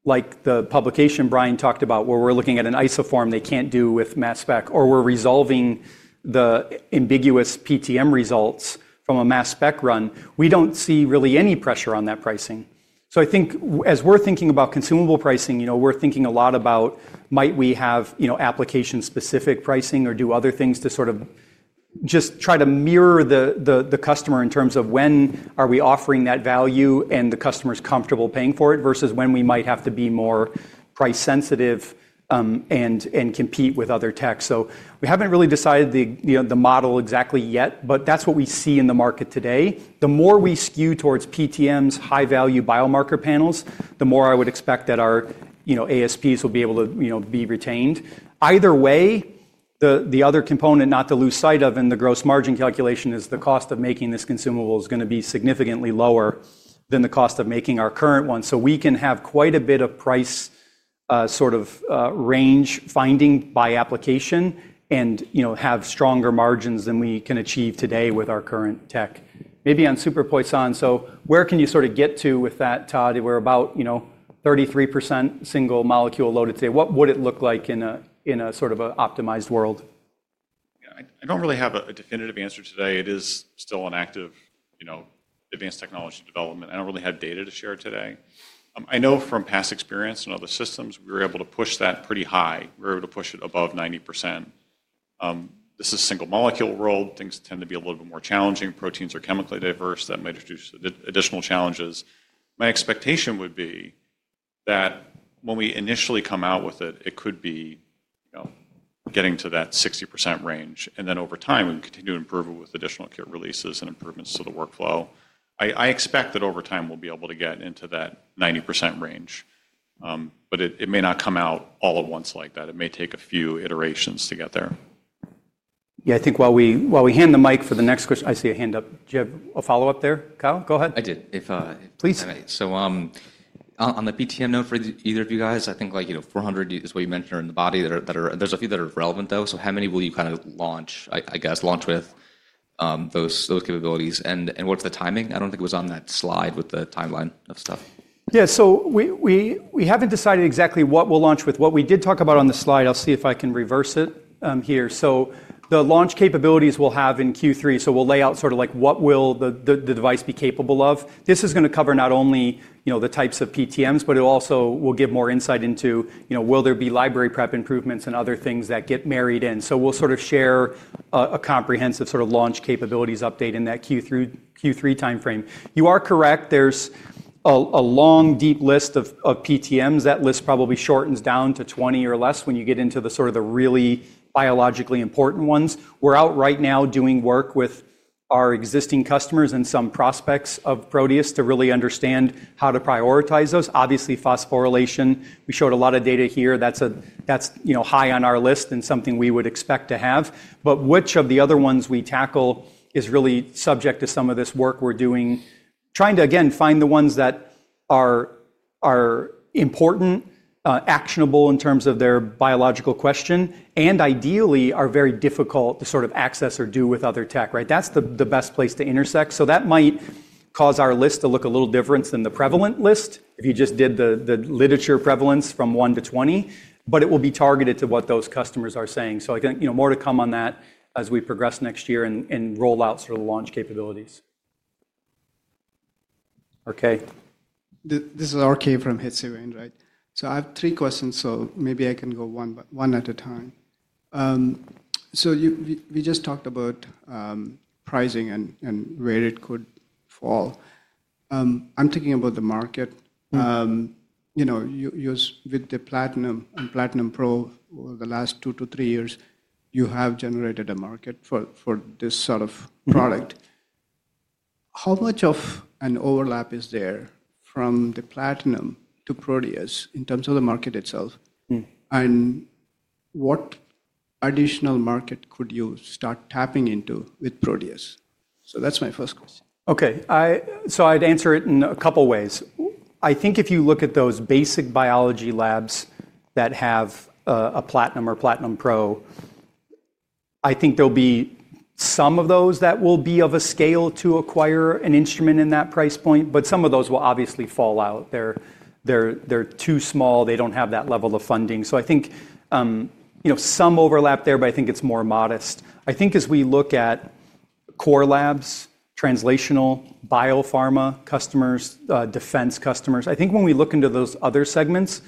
like the publication Brian talked about where we're looking at an isoform they can't do with mass spec, or we're resolving the ambiguous PTM results from a mass spec run, we don't see really any pressure on that pricing. I think as we're thinking about consumable pricing, we're thinking a lot about, might we have application-specific pricing or do other things to sort of just try to mirror the customer in terms of when are we offering that value and the customer's comfortable paying for it versus when we might have to be more price-sensitive and compete with other tech. We haven't really decided the model exactly yet, but that's what we see in the market today. The more we skew towards PTMs, high-value biomarker panels, the more I would expect that our ASPs will be able to be retained. Either way, the other component not to lose sight of in the gross margin calculation is the cost of making this consumable is going to be significantly lower than the cost of making our current one. We can have quite a bit of price sort of range finding by application and have stronger margins than we can achieve today with our current tech. Maybe on super Poisson, where can you sort of get to with that, Todd? We're about 33% single molecule loaded today. What would it look like in a sort of optimized world? Yeah. I don't really have a definitive answer today. It is still an active advanced technology development. I don't really have data to share today. I know from past experience and other systems, we were able to push that pretty high. We were able to push it above 90%. This is a single molecule world. Things tend to be a little bit more challenging. Proteins are chemically diverse. That might introduce additional challenges. My expectation would be that when we initially come out with it, it could be getting to that 60% range. And then over time, we would continue to improve it with additional kit releases and improvements to the workflow. I expect that over time, we'll be able to get into that 90% range, but it may not come out all at once like that. It may take a few iterations to get there. Yeah. I think while we hand the mic for the next question, I see a hand up. Do you have a follow-up there, Kyle? Go ahead. I did. Please. So on the PTM note for either of you guys, I think 400 is what you mentioned in the body. There's a few that are relevant, though. How many will you kind of launch, I guess, launch with those capabilities? What's the timing? I don't think it was on that slide with the timeline of stuff. Yeah. We haven't decided exactly what we'll launch with. What we did talk about on the slide, I'll see if I can reverse it here. The launch capabilities we'll have in Q3. We'll lay out sort of what will the device be capable of. This is going to cover not only the types of PTMs, but it also will give more insight into will there be library prep improvements and other things that get married in. We'll sort of share a comprehensive sort of launch capabilities update in that Q3 timeframe. You are correct. There's a long, deep list of PTMs. That list probably shortens down to 20 or less when you get into the sort of the really biologically important ones. We're out right now doing work with our existing customers and some prospects of Proteus to really understand how to prioritize those. Obviously, phosphorylation. We showed a lot of data here. That's high on our list and something we would expect to have. Which of the other ones we tackle is really subject to some of this work we're doing, trying to, again, find the ones that are important, actionable in terms of their biological question, and ideally are very difficult to sort of access or do with other tech, right? That's the best place to intersect. That might cause our list to look a little different than the prevalent list if you just did the literature prevalence from 1 to 20, but it will be targeted to what those customers are saying. I think more to come on that as we progress next year and roll out sort of the launch capabilities. Okay. This is RK from H.C. Wainwright, I have three questions, so maybe I can go one at a time. We just talked about pricing and where it could fall. I'm thinking about the market. With the Platinum and Platinum Pro over the last two to three years, you have generated a market for this sort of product. How much of an overlap is there from the Platinum to Proteus in terms of the market itself? What additional market could you start tapping into with Proteus? That's my first question. Okay. I'd answer it in a couple of ways. I think if you look at those basic biology labs that have a Platinum or Platinum Pro, I think there will be some of those that will be of a scale to acquire an instrument in that price point, but some of those will obviously fall out. They're too small. They don't have that level of funding. I think some overlap there, but I think it's more modest. I think as we look at core labs, translational, biopharma customers, defense customers, when we look into those other segments,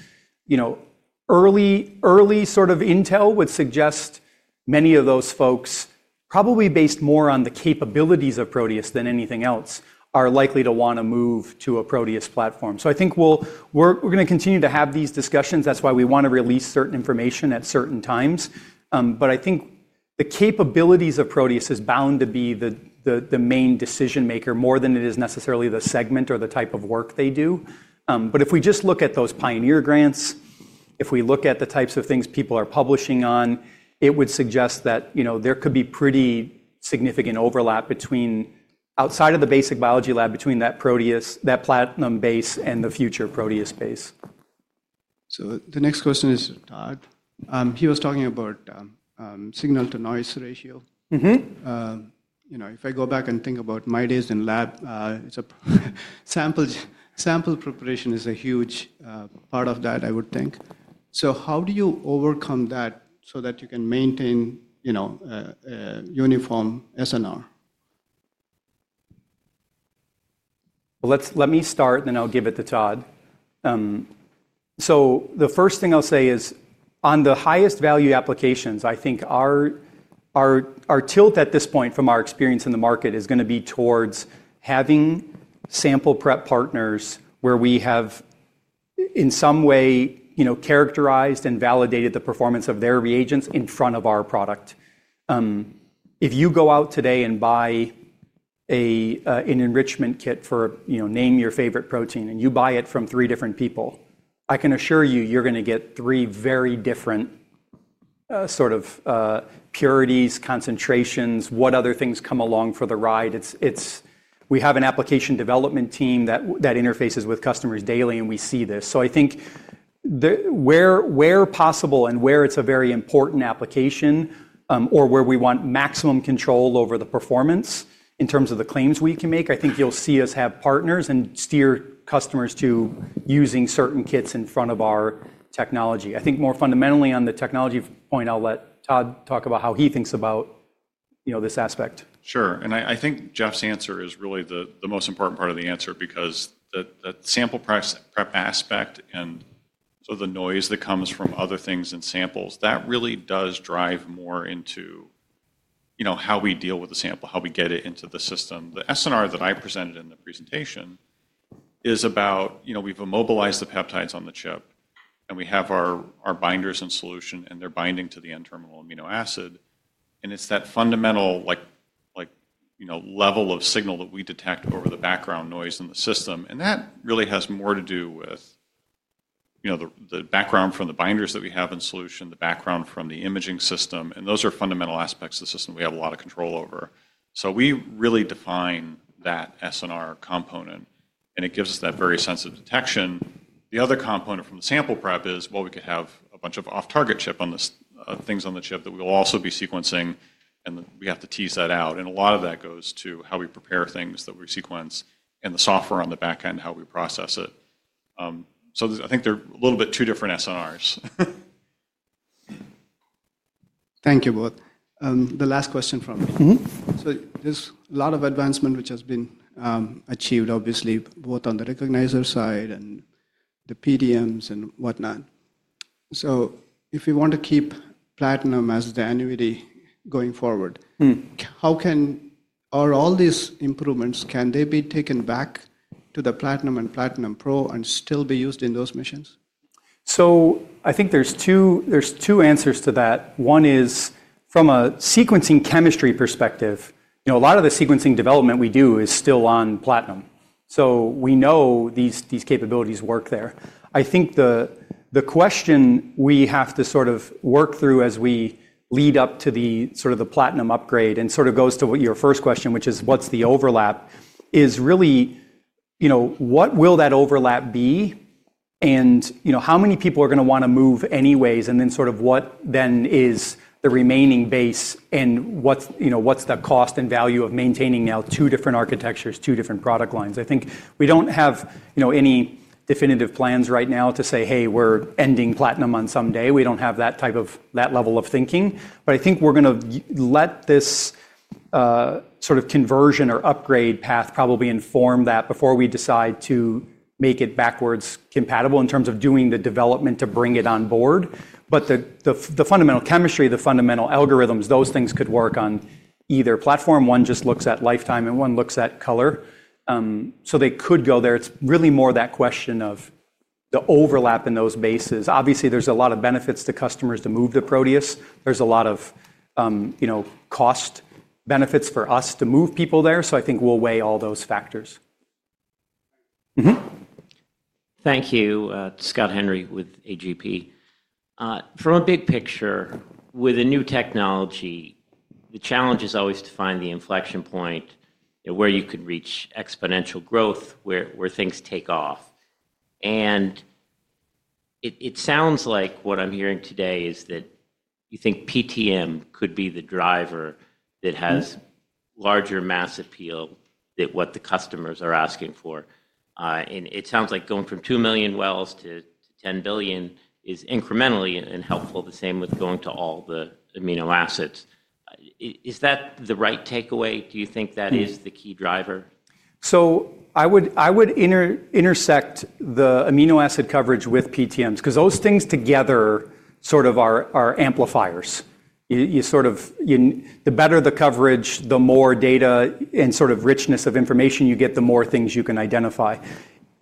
early sort of intel would suggest many of those folks, probably based more on the capabilities of Proteus than anything else, are likely to want to move to a Proteus platform. I think we're going to continue to have these discussions. That's why we want to release certain information at certain times. I think the capabilities of Proteus is bound to be the main decision maker more than it is necessarily the segment or the type of work they do. If we just look at those pioneer grants, if we look at the types of things people are publishing on, it would suggest that there could be pretty significant overlap outside of the basic biology lab between that Proteus, that Platinum base, and the future Proteus base. The next question is, Todd. He was talking about signal-to-noise ratio. If I go back and think about my days in lab, sample preparation is a huge part of that, I would think. How do you overcome that so that you can maintain uniform SNR? Let me start, and then I'll give it to Todd. The first thing I'll say is, on the highest value applications, I think our tilt at this point from our experience in the market is going to be towards having sample prep partners where we have in some way characterized and validated the performance of their reagents in front of our product. If you go out today and buy an enrichment kit for, name your favorite protein, and you buy it from three different people, I can assure you you're going to get three very different sort of purities, concentrations, what other things come along for the ride. We have an application development team that interfaces with customers daily, and we see this. I think where possible and where it's a very important application or where we want maximum control over the performance in terms of the claims we can make, I think you'll see us have partners and steer customers to using certain kits in front of our technology. I think more fundamentally on the technology point, I'll let Todd talk about how he thinks about this aspect. Sure. I think Jeff's answer is really the most important part of the answer because that sample prep aspect and sort of the noise that comes from other things and samples, that really does drive more into how we deal with the sample, how we get it into the system. The SNR that I presented in the presentation is about we've immobilized the peptides on the chip, and we have our binders in solution, and they're binding to the end-terminal amino acid. It is that fundamental level of signal that we detect over the background noise in the system. That really has more to do with the background from the binders that we have in solution, the background from the imaging system. Those are fundamental aspects of the system we have a lot of control over. We really define that SNR component, and it gives us that very sense of detection. The other component from the sample prep is, well, we could have a bunch of off-target things on the chip that we'll also be sequencing, and we have to tease that out. A lot of that goes to how we prepare things that we sequence and the software on the back end, how we process it. I think they're a little bit two different SNRs. Thank you both. The last question from me. There is a lot of advancement which has been achieved, obviously, both on the recognizer side and the PTMs and whatnot. If we want to keep Platinum as the annuity going forward, how can all these improvements, can they be taken back to the Platinum and Platinum Pro and still be used in those missions? I think there are two answers to that. One is from a sequencing chemistry perspective. A lot of the sequencing development we do is still on Platinum. We know these capabilities work there. I think the question we have to sort of work through as we lead up to the Platinum upgrade and sort of goes to your first question, which is, what's the overlap? Is really, what will that overlap be? And how many people are going to want to move anyways? What then is the remaining base and what's the cost and value of maintaining now two different architectures, two different product lines? I think we don't have any definitive plans right now to say, "Hey, we're ending Platinum on someday." We don't have that level of thinking. I think we're going to let this sort of conversion or upgrade path probably inform that before we decide to make it backwards compatible in terms of doing the development to bring it on board. The fundamental chemistry, the fundamental algorithms, those things could work on either platform. One just looks at lifetime and one looks at color. They could go there. It's really more that question of the overlap in those bases. Obviously, there's a lot of benefits to customers to move to Proteus. There's a lot of cost benefits for us to move people there. I think we'll weigh all those factors. Thank you. Scott Henry with AGP. From a big picture, with a new technology, the challenge is always to find the inflection point where you could reach exponential growth, where things take off. It sounds like what I'm hearing today is that you think PTM could be the driver that has larger mass appeal than what the customers are asking for. It sounds like going from 2 million wells to 10 billion is incrementally helpful, the same with going to all the amino acids. Is that the right takeaway? Do you think that is the key driver? I would intersect the amino acid coverage with PTMs because those things together sort of are amplifiers. The better the coverage, the more data and sort of richness of information you get, the more things you can identify.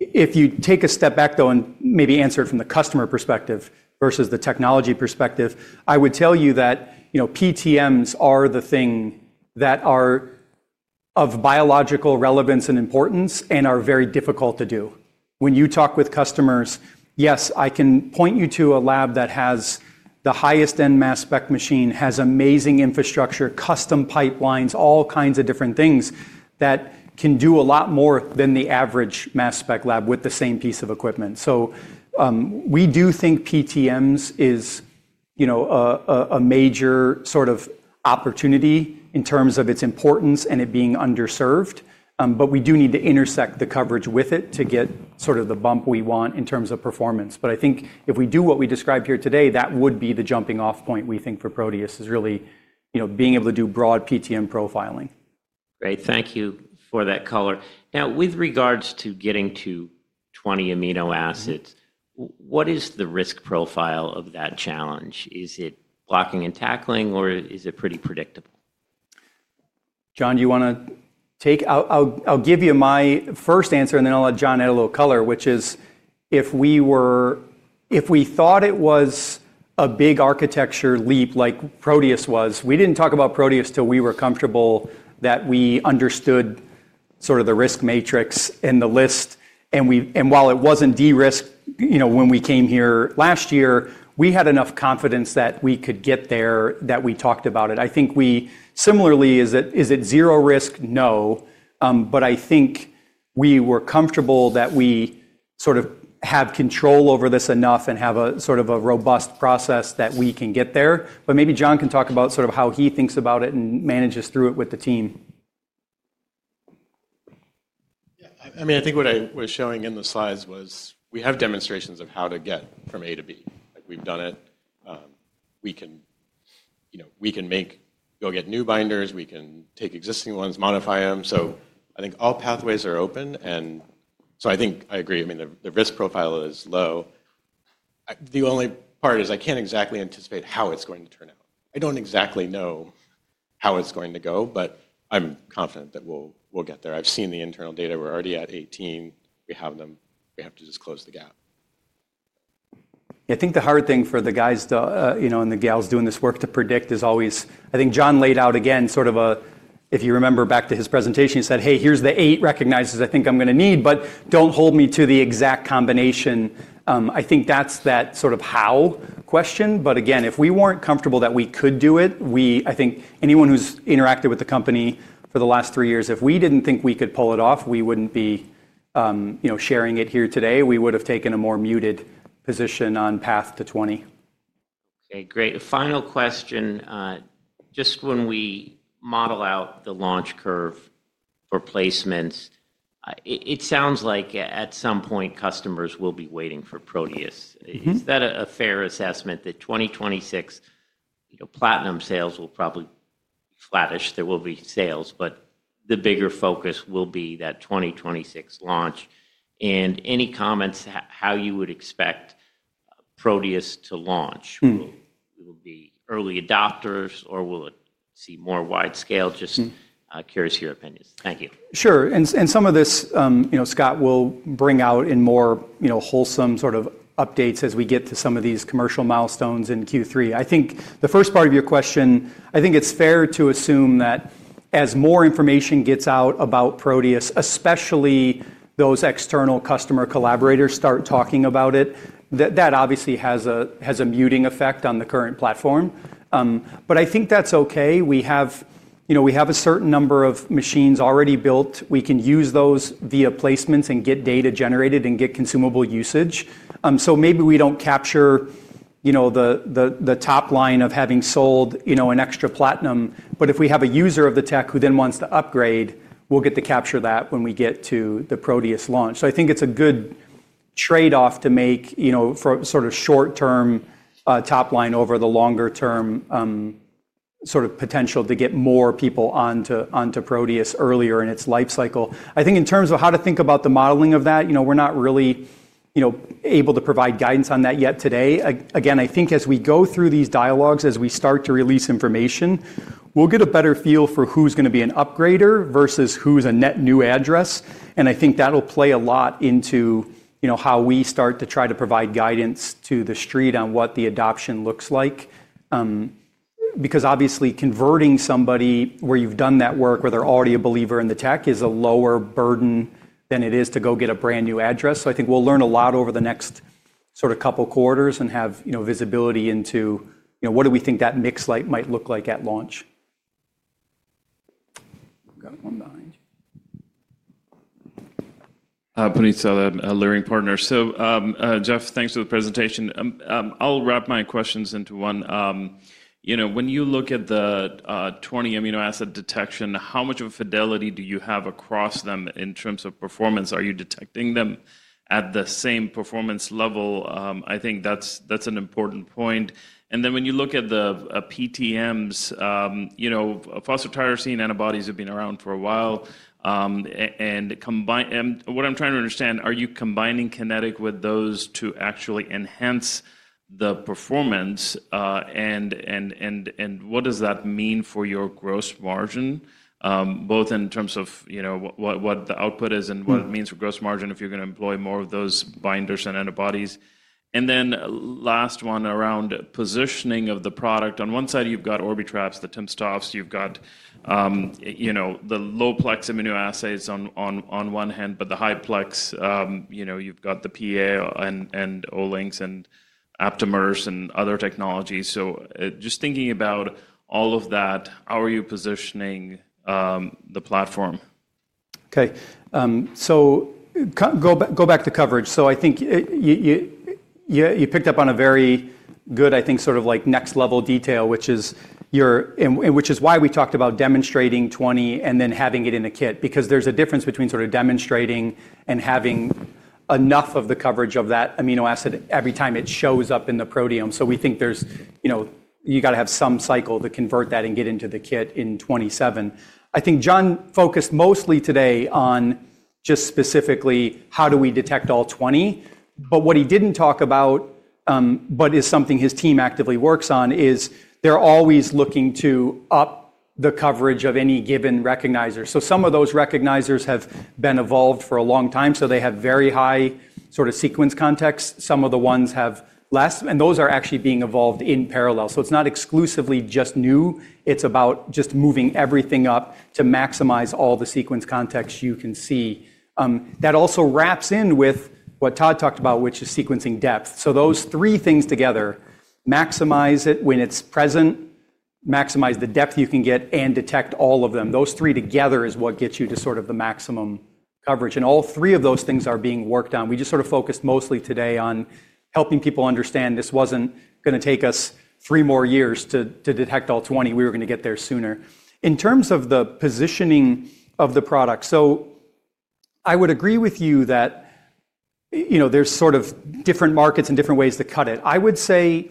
If you take a step back, though, and maybe answer it from the customer perspective versus the technology perspective, I would tell you that PTMs are the thing that are of biological relevance and importance and are very difficult to do. When you talk with customers, yes, I can point you to a lab that has the highest-end mass spec machine, has amazing infrastructure, custom pipelines, all kinds of different things that can do a lot more than the average mass spec lab with the same piece of equipment. We do think PTMs is a major sort of opportunity in terms of its importance and it being underserved. We do need to intersect the coverage with it to get sort of the bump we want in terms of performance. I think if we do what we described here today, that would be the jumping-off point we think for Proteus is really being able to do broad PTM profiling. Great. Thank you for that color. Now, with regards to getting to 20 amino acids, what is the risk profile of that challenge? Is it blocking and tackling, or is it pretty predictable? John, do you want to take? I'll give you my first answer, and then I'll let John add a little color, which is if we thought it was a big architecture leap like Proteus was, we did not talk about Proteus until we were comfortable that we understood sort of the risk matrix and the list. While it was not de-risked when we came here last year, we had enough confidence that we could get there that we talked about it. I think similarly, is it zero risk? No. I think we were comfortable that we sort of have control over this enough and have sort of a robust process that we can get there. Maybe John can talk about how he thinks about it and manages through it with the team. Yeah. I think what I was showing in the slides was we have demonstrations of how to get from A to B. We have done it. We can go get new binders. We can take existing ones, modify them. I think all pathways are open. I think I agree. The risk profile is low. The only part is I can't exactly anticipate how it's going to turn out. I don't exactly know how it's going to go, but I'm confident that we'll get there. I've seen the internal data. We're already at 18. We have them. We have to just close the gap. I think the hard thing for the guys and the gals doing this work to predict is always I think John laid out again sort of a, if you remember back to his presentation, he said, "Hey, here's the eight recognizers I think I'm going to need, but don't hold me to the exact combination." I think that's that sort of how question. If we were not comfortable that we could do it, I think anyone who has interacted with the company for the last three years, if we did not think we could pull it off, we would not be sharing it here today. We would have taken a more muted position on path to 20. Okay. Great. Final question. Just when we model out the launch curve for placements, it sounds like at some point, customers will be waiting for Proteus. Is that a fair assessment that 2026 Platinum sales will probably be flattish? There will be sales, but the bigger focus will be that 2026 launch. Any comments how you would expect Proteus to launch? Will we be early adopters, or will it see more wide scale? Just curious of your opinions. Thank you. Sure. Some of this, Scott, we'll bring out in more wholesome sort of updates as we get to some of these commercial milestones in Q3. I think the first part of your question, I think it's fair to assume that as more information gets out about Proteus, especially those external customer collaborators start talking about it, that obviously has a muting effect on the current platform. I think that's okay. We have a certain number of machines already built. We can use those via placements and get data generated and get consumable usage. Maybe we don't capture the top line of having sold an extra Platinum. If we have a user of the tech who then wants to upgrade, we'll get to capture that when we get to the Proteus launch. I think it's a good trade-off to make for sort of short-term top line over the longer-term sort of potential to get more people onto Proteus earlier in its lifecycle. I think in terms of how to think about the modeling of that, we're not really able to provide guidance on that yet today. Again, I think as we go through these dialogues, as we start to release information, we'll get a better feel for who's going to be an upgrader versus who's a net new address. I think that'll play a lot into how we start to try to provide guidance to the street on what the adoption looks like. Because obviously, converting somebody where you've done that work, where they're already a believer in the tech, is a lower burden than it is to go get a brand new address. I think we'll learn a lot over the next sort of couple of quarters and have visibility into what do we think that mix might look like at launch. Got one behind you. Hi, Puneet Souda at Leerink Partners. Jeff, thanks for the presentation. I'll wrap my questions into one. When you look at the 20 amino acid detection, how much of a fidelity do you have across them in terms of performance? Are you detecting them at the same performance level? I think that's an important point. When you look at the PTMs, phosphotyrosine antibodies have been around for a while. What I'm trying to understand, are you combining kinetic with those to actually enhance the performance? What does that mean for your gross margin, both in terms of what the output is and what it means for gross margin if you're going to employ more of those binders and antibodies? The last one around positioning of the product. On one side, you've got Orbitraps, the timsTOFs. You've got the low-plex amino acids on one hand, but the high-plex, you've got the PA and O-links and aptamers and other technologies. Just thinking about all of that, how are you positioning the platform? Okay. Go back to coverage. I think you picked up on a very good, I think, sort of next-level detail, which is why we talked about demonstrating 20 and then having it in a kit. Because there's a difference between sort of demonstrating and having enough of the coverage of that amino acid every time it shows up in the proteome. We think you got to have some cycle to convert that and get into the kit in 2027. I think John focused mostly today on just specifically how do we detect all 20. What he didn't talk about, but is something his team actively works on, is they're always looking to up the coverage of any given recognizer. Some of those recognizers have been evolved for a long time. They have very high sort of sequence context. Some of the ones have less. Those are actually being evolved in parallel. It's not exclusively just new. It's about just moving everything up to maximize all the sequence context you can see. That also wraps in with what Todd talked about, which is sequencing depth. Those three things together maximize it when it's present, maximize the depth you can get, and detect all of them. Those three together is what gets you to sort of the maximum coverage. All three of those things are being worked on. We just sort of focused mostly today on helping people understand this was not going to take us three more years to detect all 20. We were going to get there sooner. In terms of the positioning of the product, I would agree with you that there are sort of different markets and different ways to cut it. I would say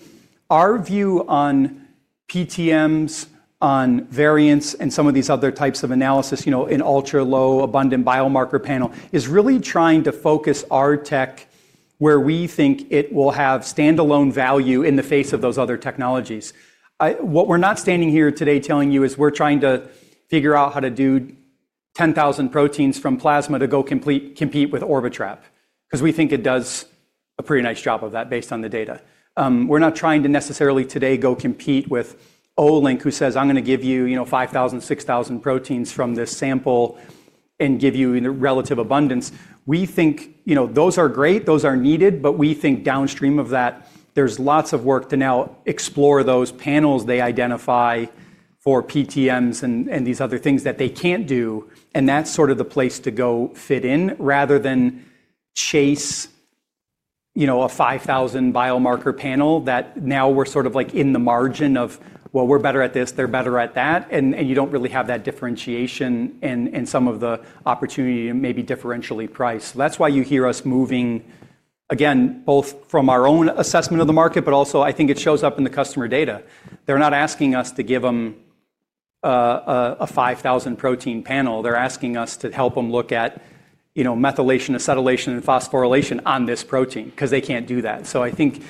our view on PTMs, on variants, and some of these other types of analysis in ultra-low abundant biomarker panel is really trying to focus our tech where we think it will have standalone value in the face of those other technologies. What we're not standing here today telling you is we're trying to figure out how to do 10,000 proteins from plasma to go compete with Orbitrap. Because we think it does a pretty nice job of that based on the data. We're not trying to necessarily today go compete with O-link who says, "I'm going to give you 5,000, 6,000 proteins from this sample and give you relative abundance." We think those are great. Those are needed. We think downstream of that, there's lots of work to now explore those panels they identify for PTMs and these other things that they can't do. That is sort of the place to go fit in rather than chase a 5,000 biomarker panel that now we're sort of in the margin of, "Well, we're better at this. They're better at that." You don't really have that differentiation and some of the opportunity to maybe differentially price. That is why you hear us moving, again, both from our own assessment of the market, but also I think it shows up in the customer data. They're not asking us to give them a 5,000 protein panel. They're asking us to help them look at methylation, acetylation, and phosphorylation on this protein because they can't do that. I think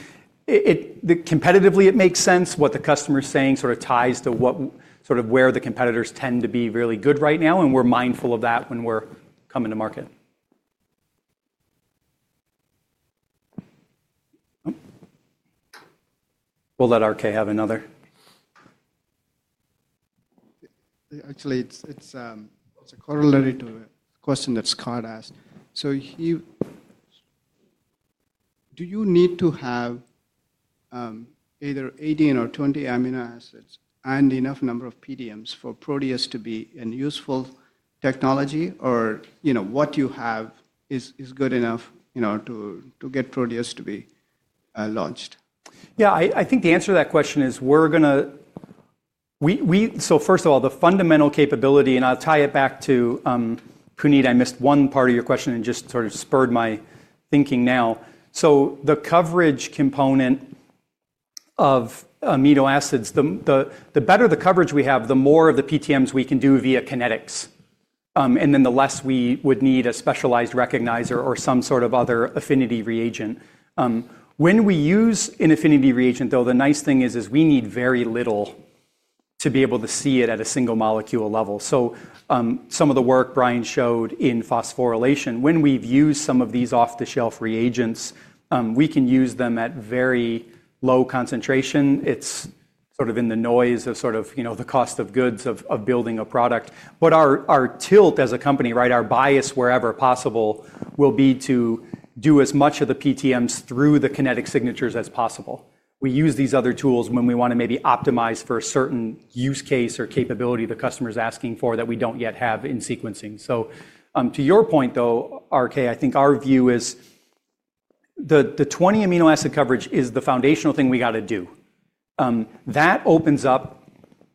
competitively, it makes sense. What the customer is saying sort of ties to where the competitors tend to be really good right now. We are mindful of that when we're coming to market. We'll let RK have another. Actually, it's a corollary to the question that Scott asked. Do you need to have either 18 or 20 amino acids and enough number of PTMs for Proteus to be a useful technology, or what you have is good enough to get Proteus to be launched? Yeah. I think the answer to that question is we're going to, first of all, the fundamental capability, and I'll tie it back to Punitza. I missed one part of your question and just sort of spurred my thinking now. The coverage component of amino acids, the better the coverage we have, the more of the PTMs we can do via kinetics. The less we would need a specialized recognizer or some sort of other affinity reagent. When we use an affinity reagent, though, the nice thing is we need very little to be able to see it at a single molecule level. Some of the work Brian showed in phosphorylation, when we've used some of these off-the-shelf reagents, we can use them at very low concentration. It's sort of in the noise of the cost of goods of building a product. Our tilt as a company, right, our bias wherever possible will be to do as much of the PTMs through the kinetic signatures as possible. We use these other tools when we want to maybe optimize for a certain use case or capability the customer is asking for that we don't yet have in sequencing. To your point, though, RK, I think our view is the 20 amino acid coverage is the foundational thing we got to do. That opens up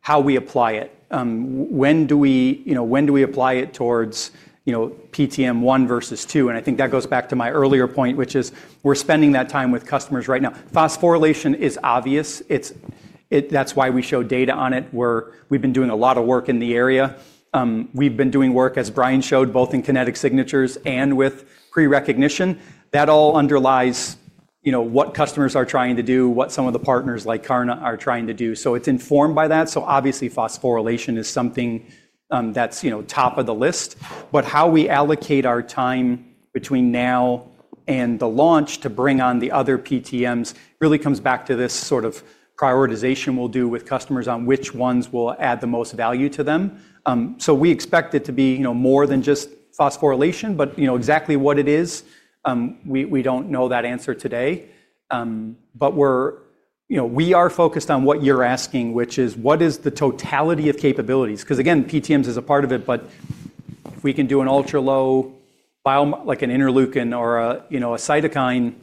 how we apply it. When do we apply it towards PTM 1 versus 2? I think that goes back to my earlier point, which is we're spending that time with customers right now. Phosphorylation is obvious. That's why we show data on it. We've been doing a lot of work in the area. We've been doing work, as Brian showed, both in kinetic signatures and with pre-recognition. That all underlies what customers are trying to do, what some of the partners like Karna are trying to do. It is informed by that. Obviously, phosphorylation is something that's top of the list. How we allocate our time between now and the launch to bring on the other PTMs really comes back to this sort of prioritization we'll do with customers on which ones will add the most value to them. We expect it to be more than just phosphorylation, but exactly what it is, we don't know that answer today. We are focused on what you're asking, which is what is the totality of capabilities? Because again, PTMs is a part of it, but if we can do an ultra-low like an interleukin or a cytokine,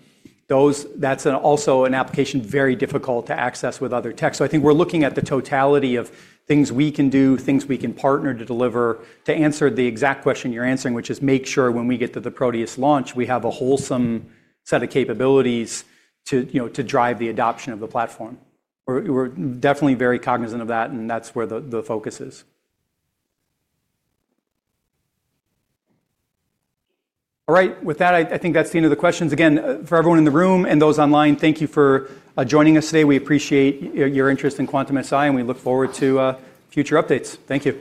that's also an application very difficult to access with other tech. I think we're looking at the totality of things we can do, things we can partner to deliver to answer the exact question you're answering, which is make sure when we get to the Proteus launch, we have a wholesome set of capabilities to drive the adoption of the platform. We're definitely very cognizant of that, and that's where the focus is. All right. With that, I think that's the end of the questions. Again, for everyone in the room and those online, thank you for joining us today. We appreciate your interest in Quantum-Si, and we look forward to future updates. Thank you.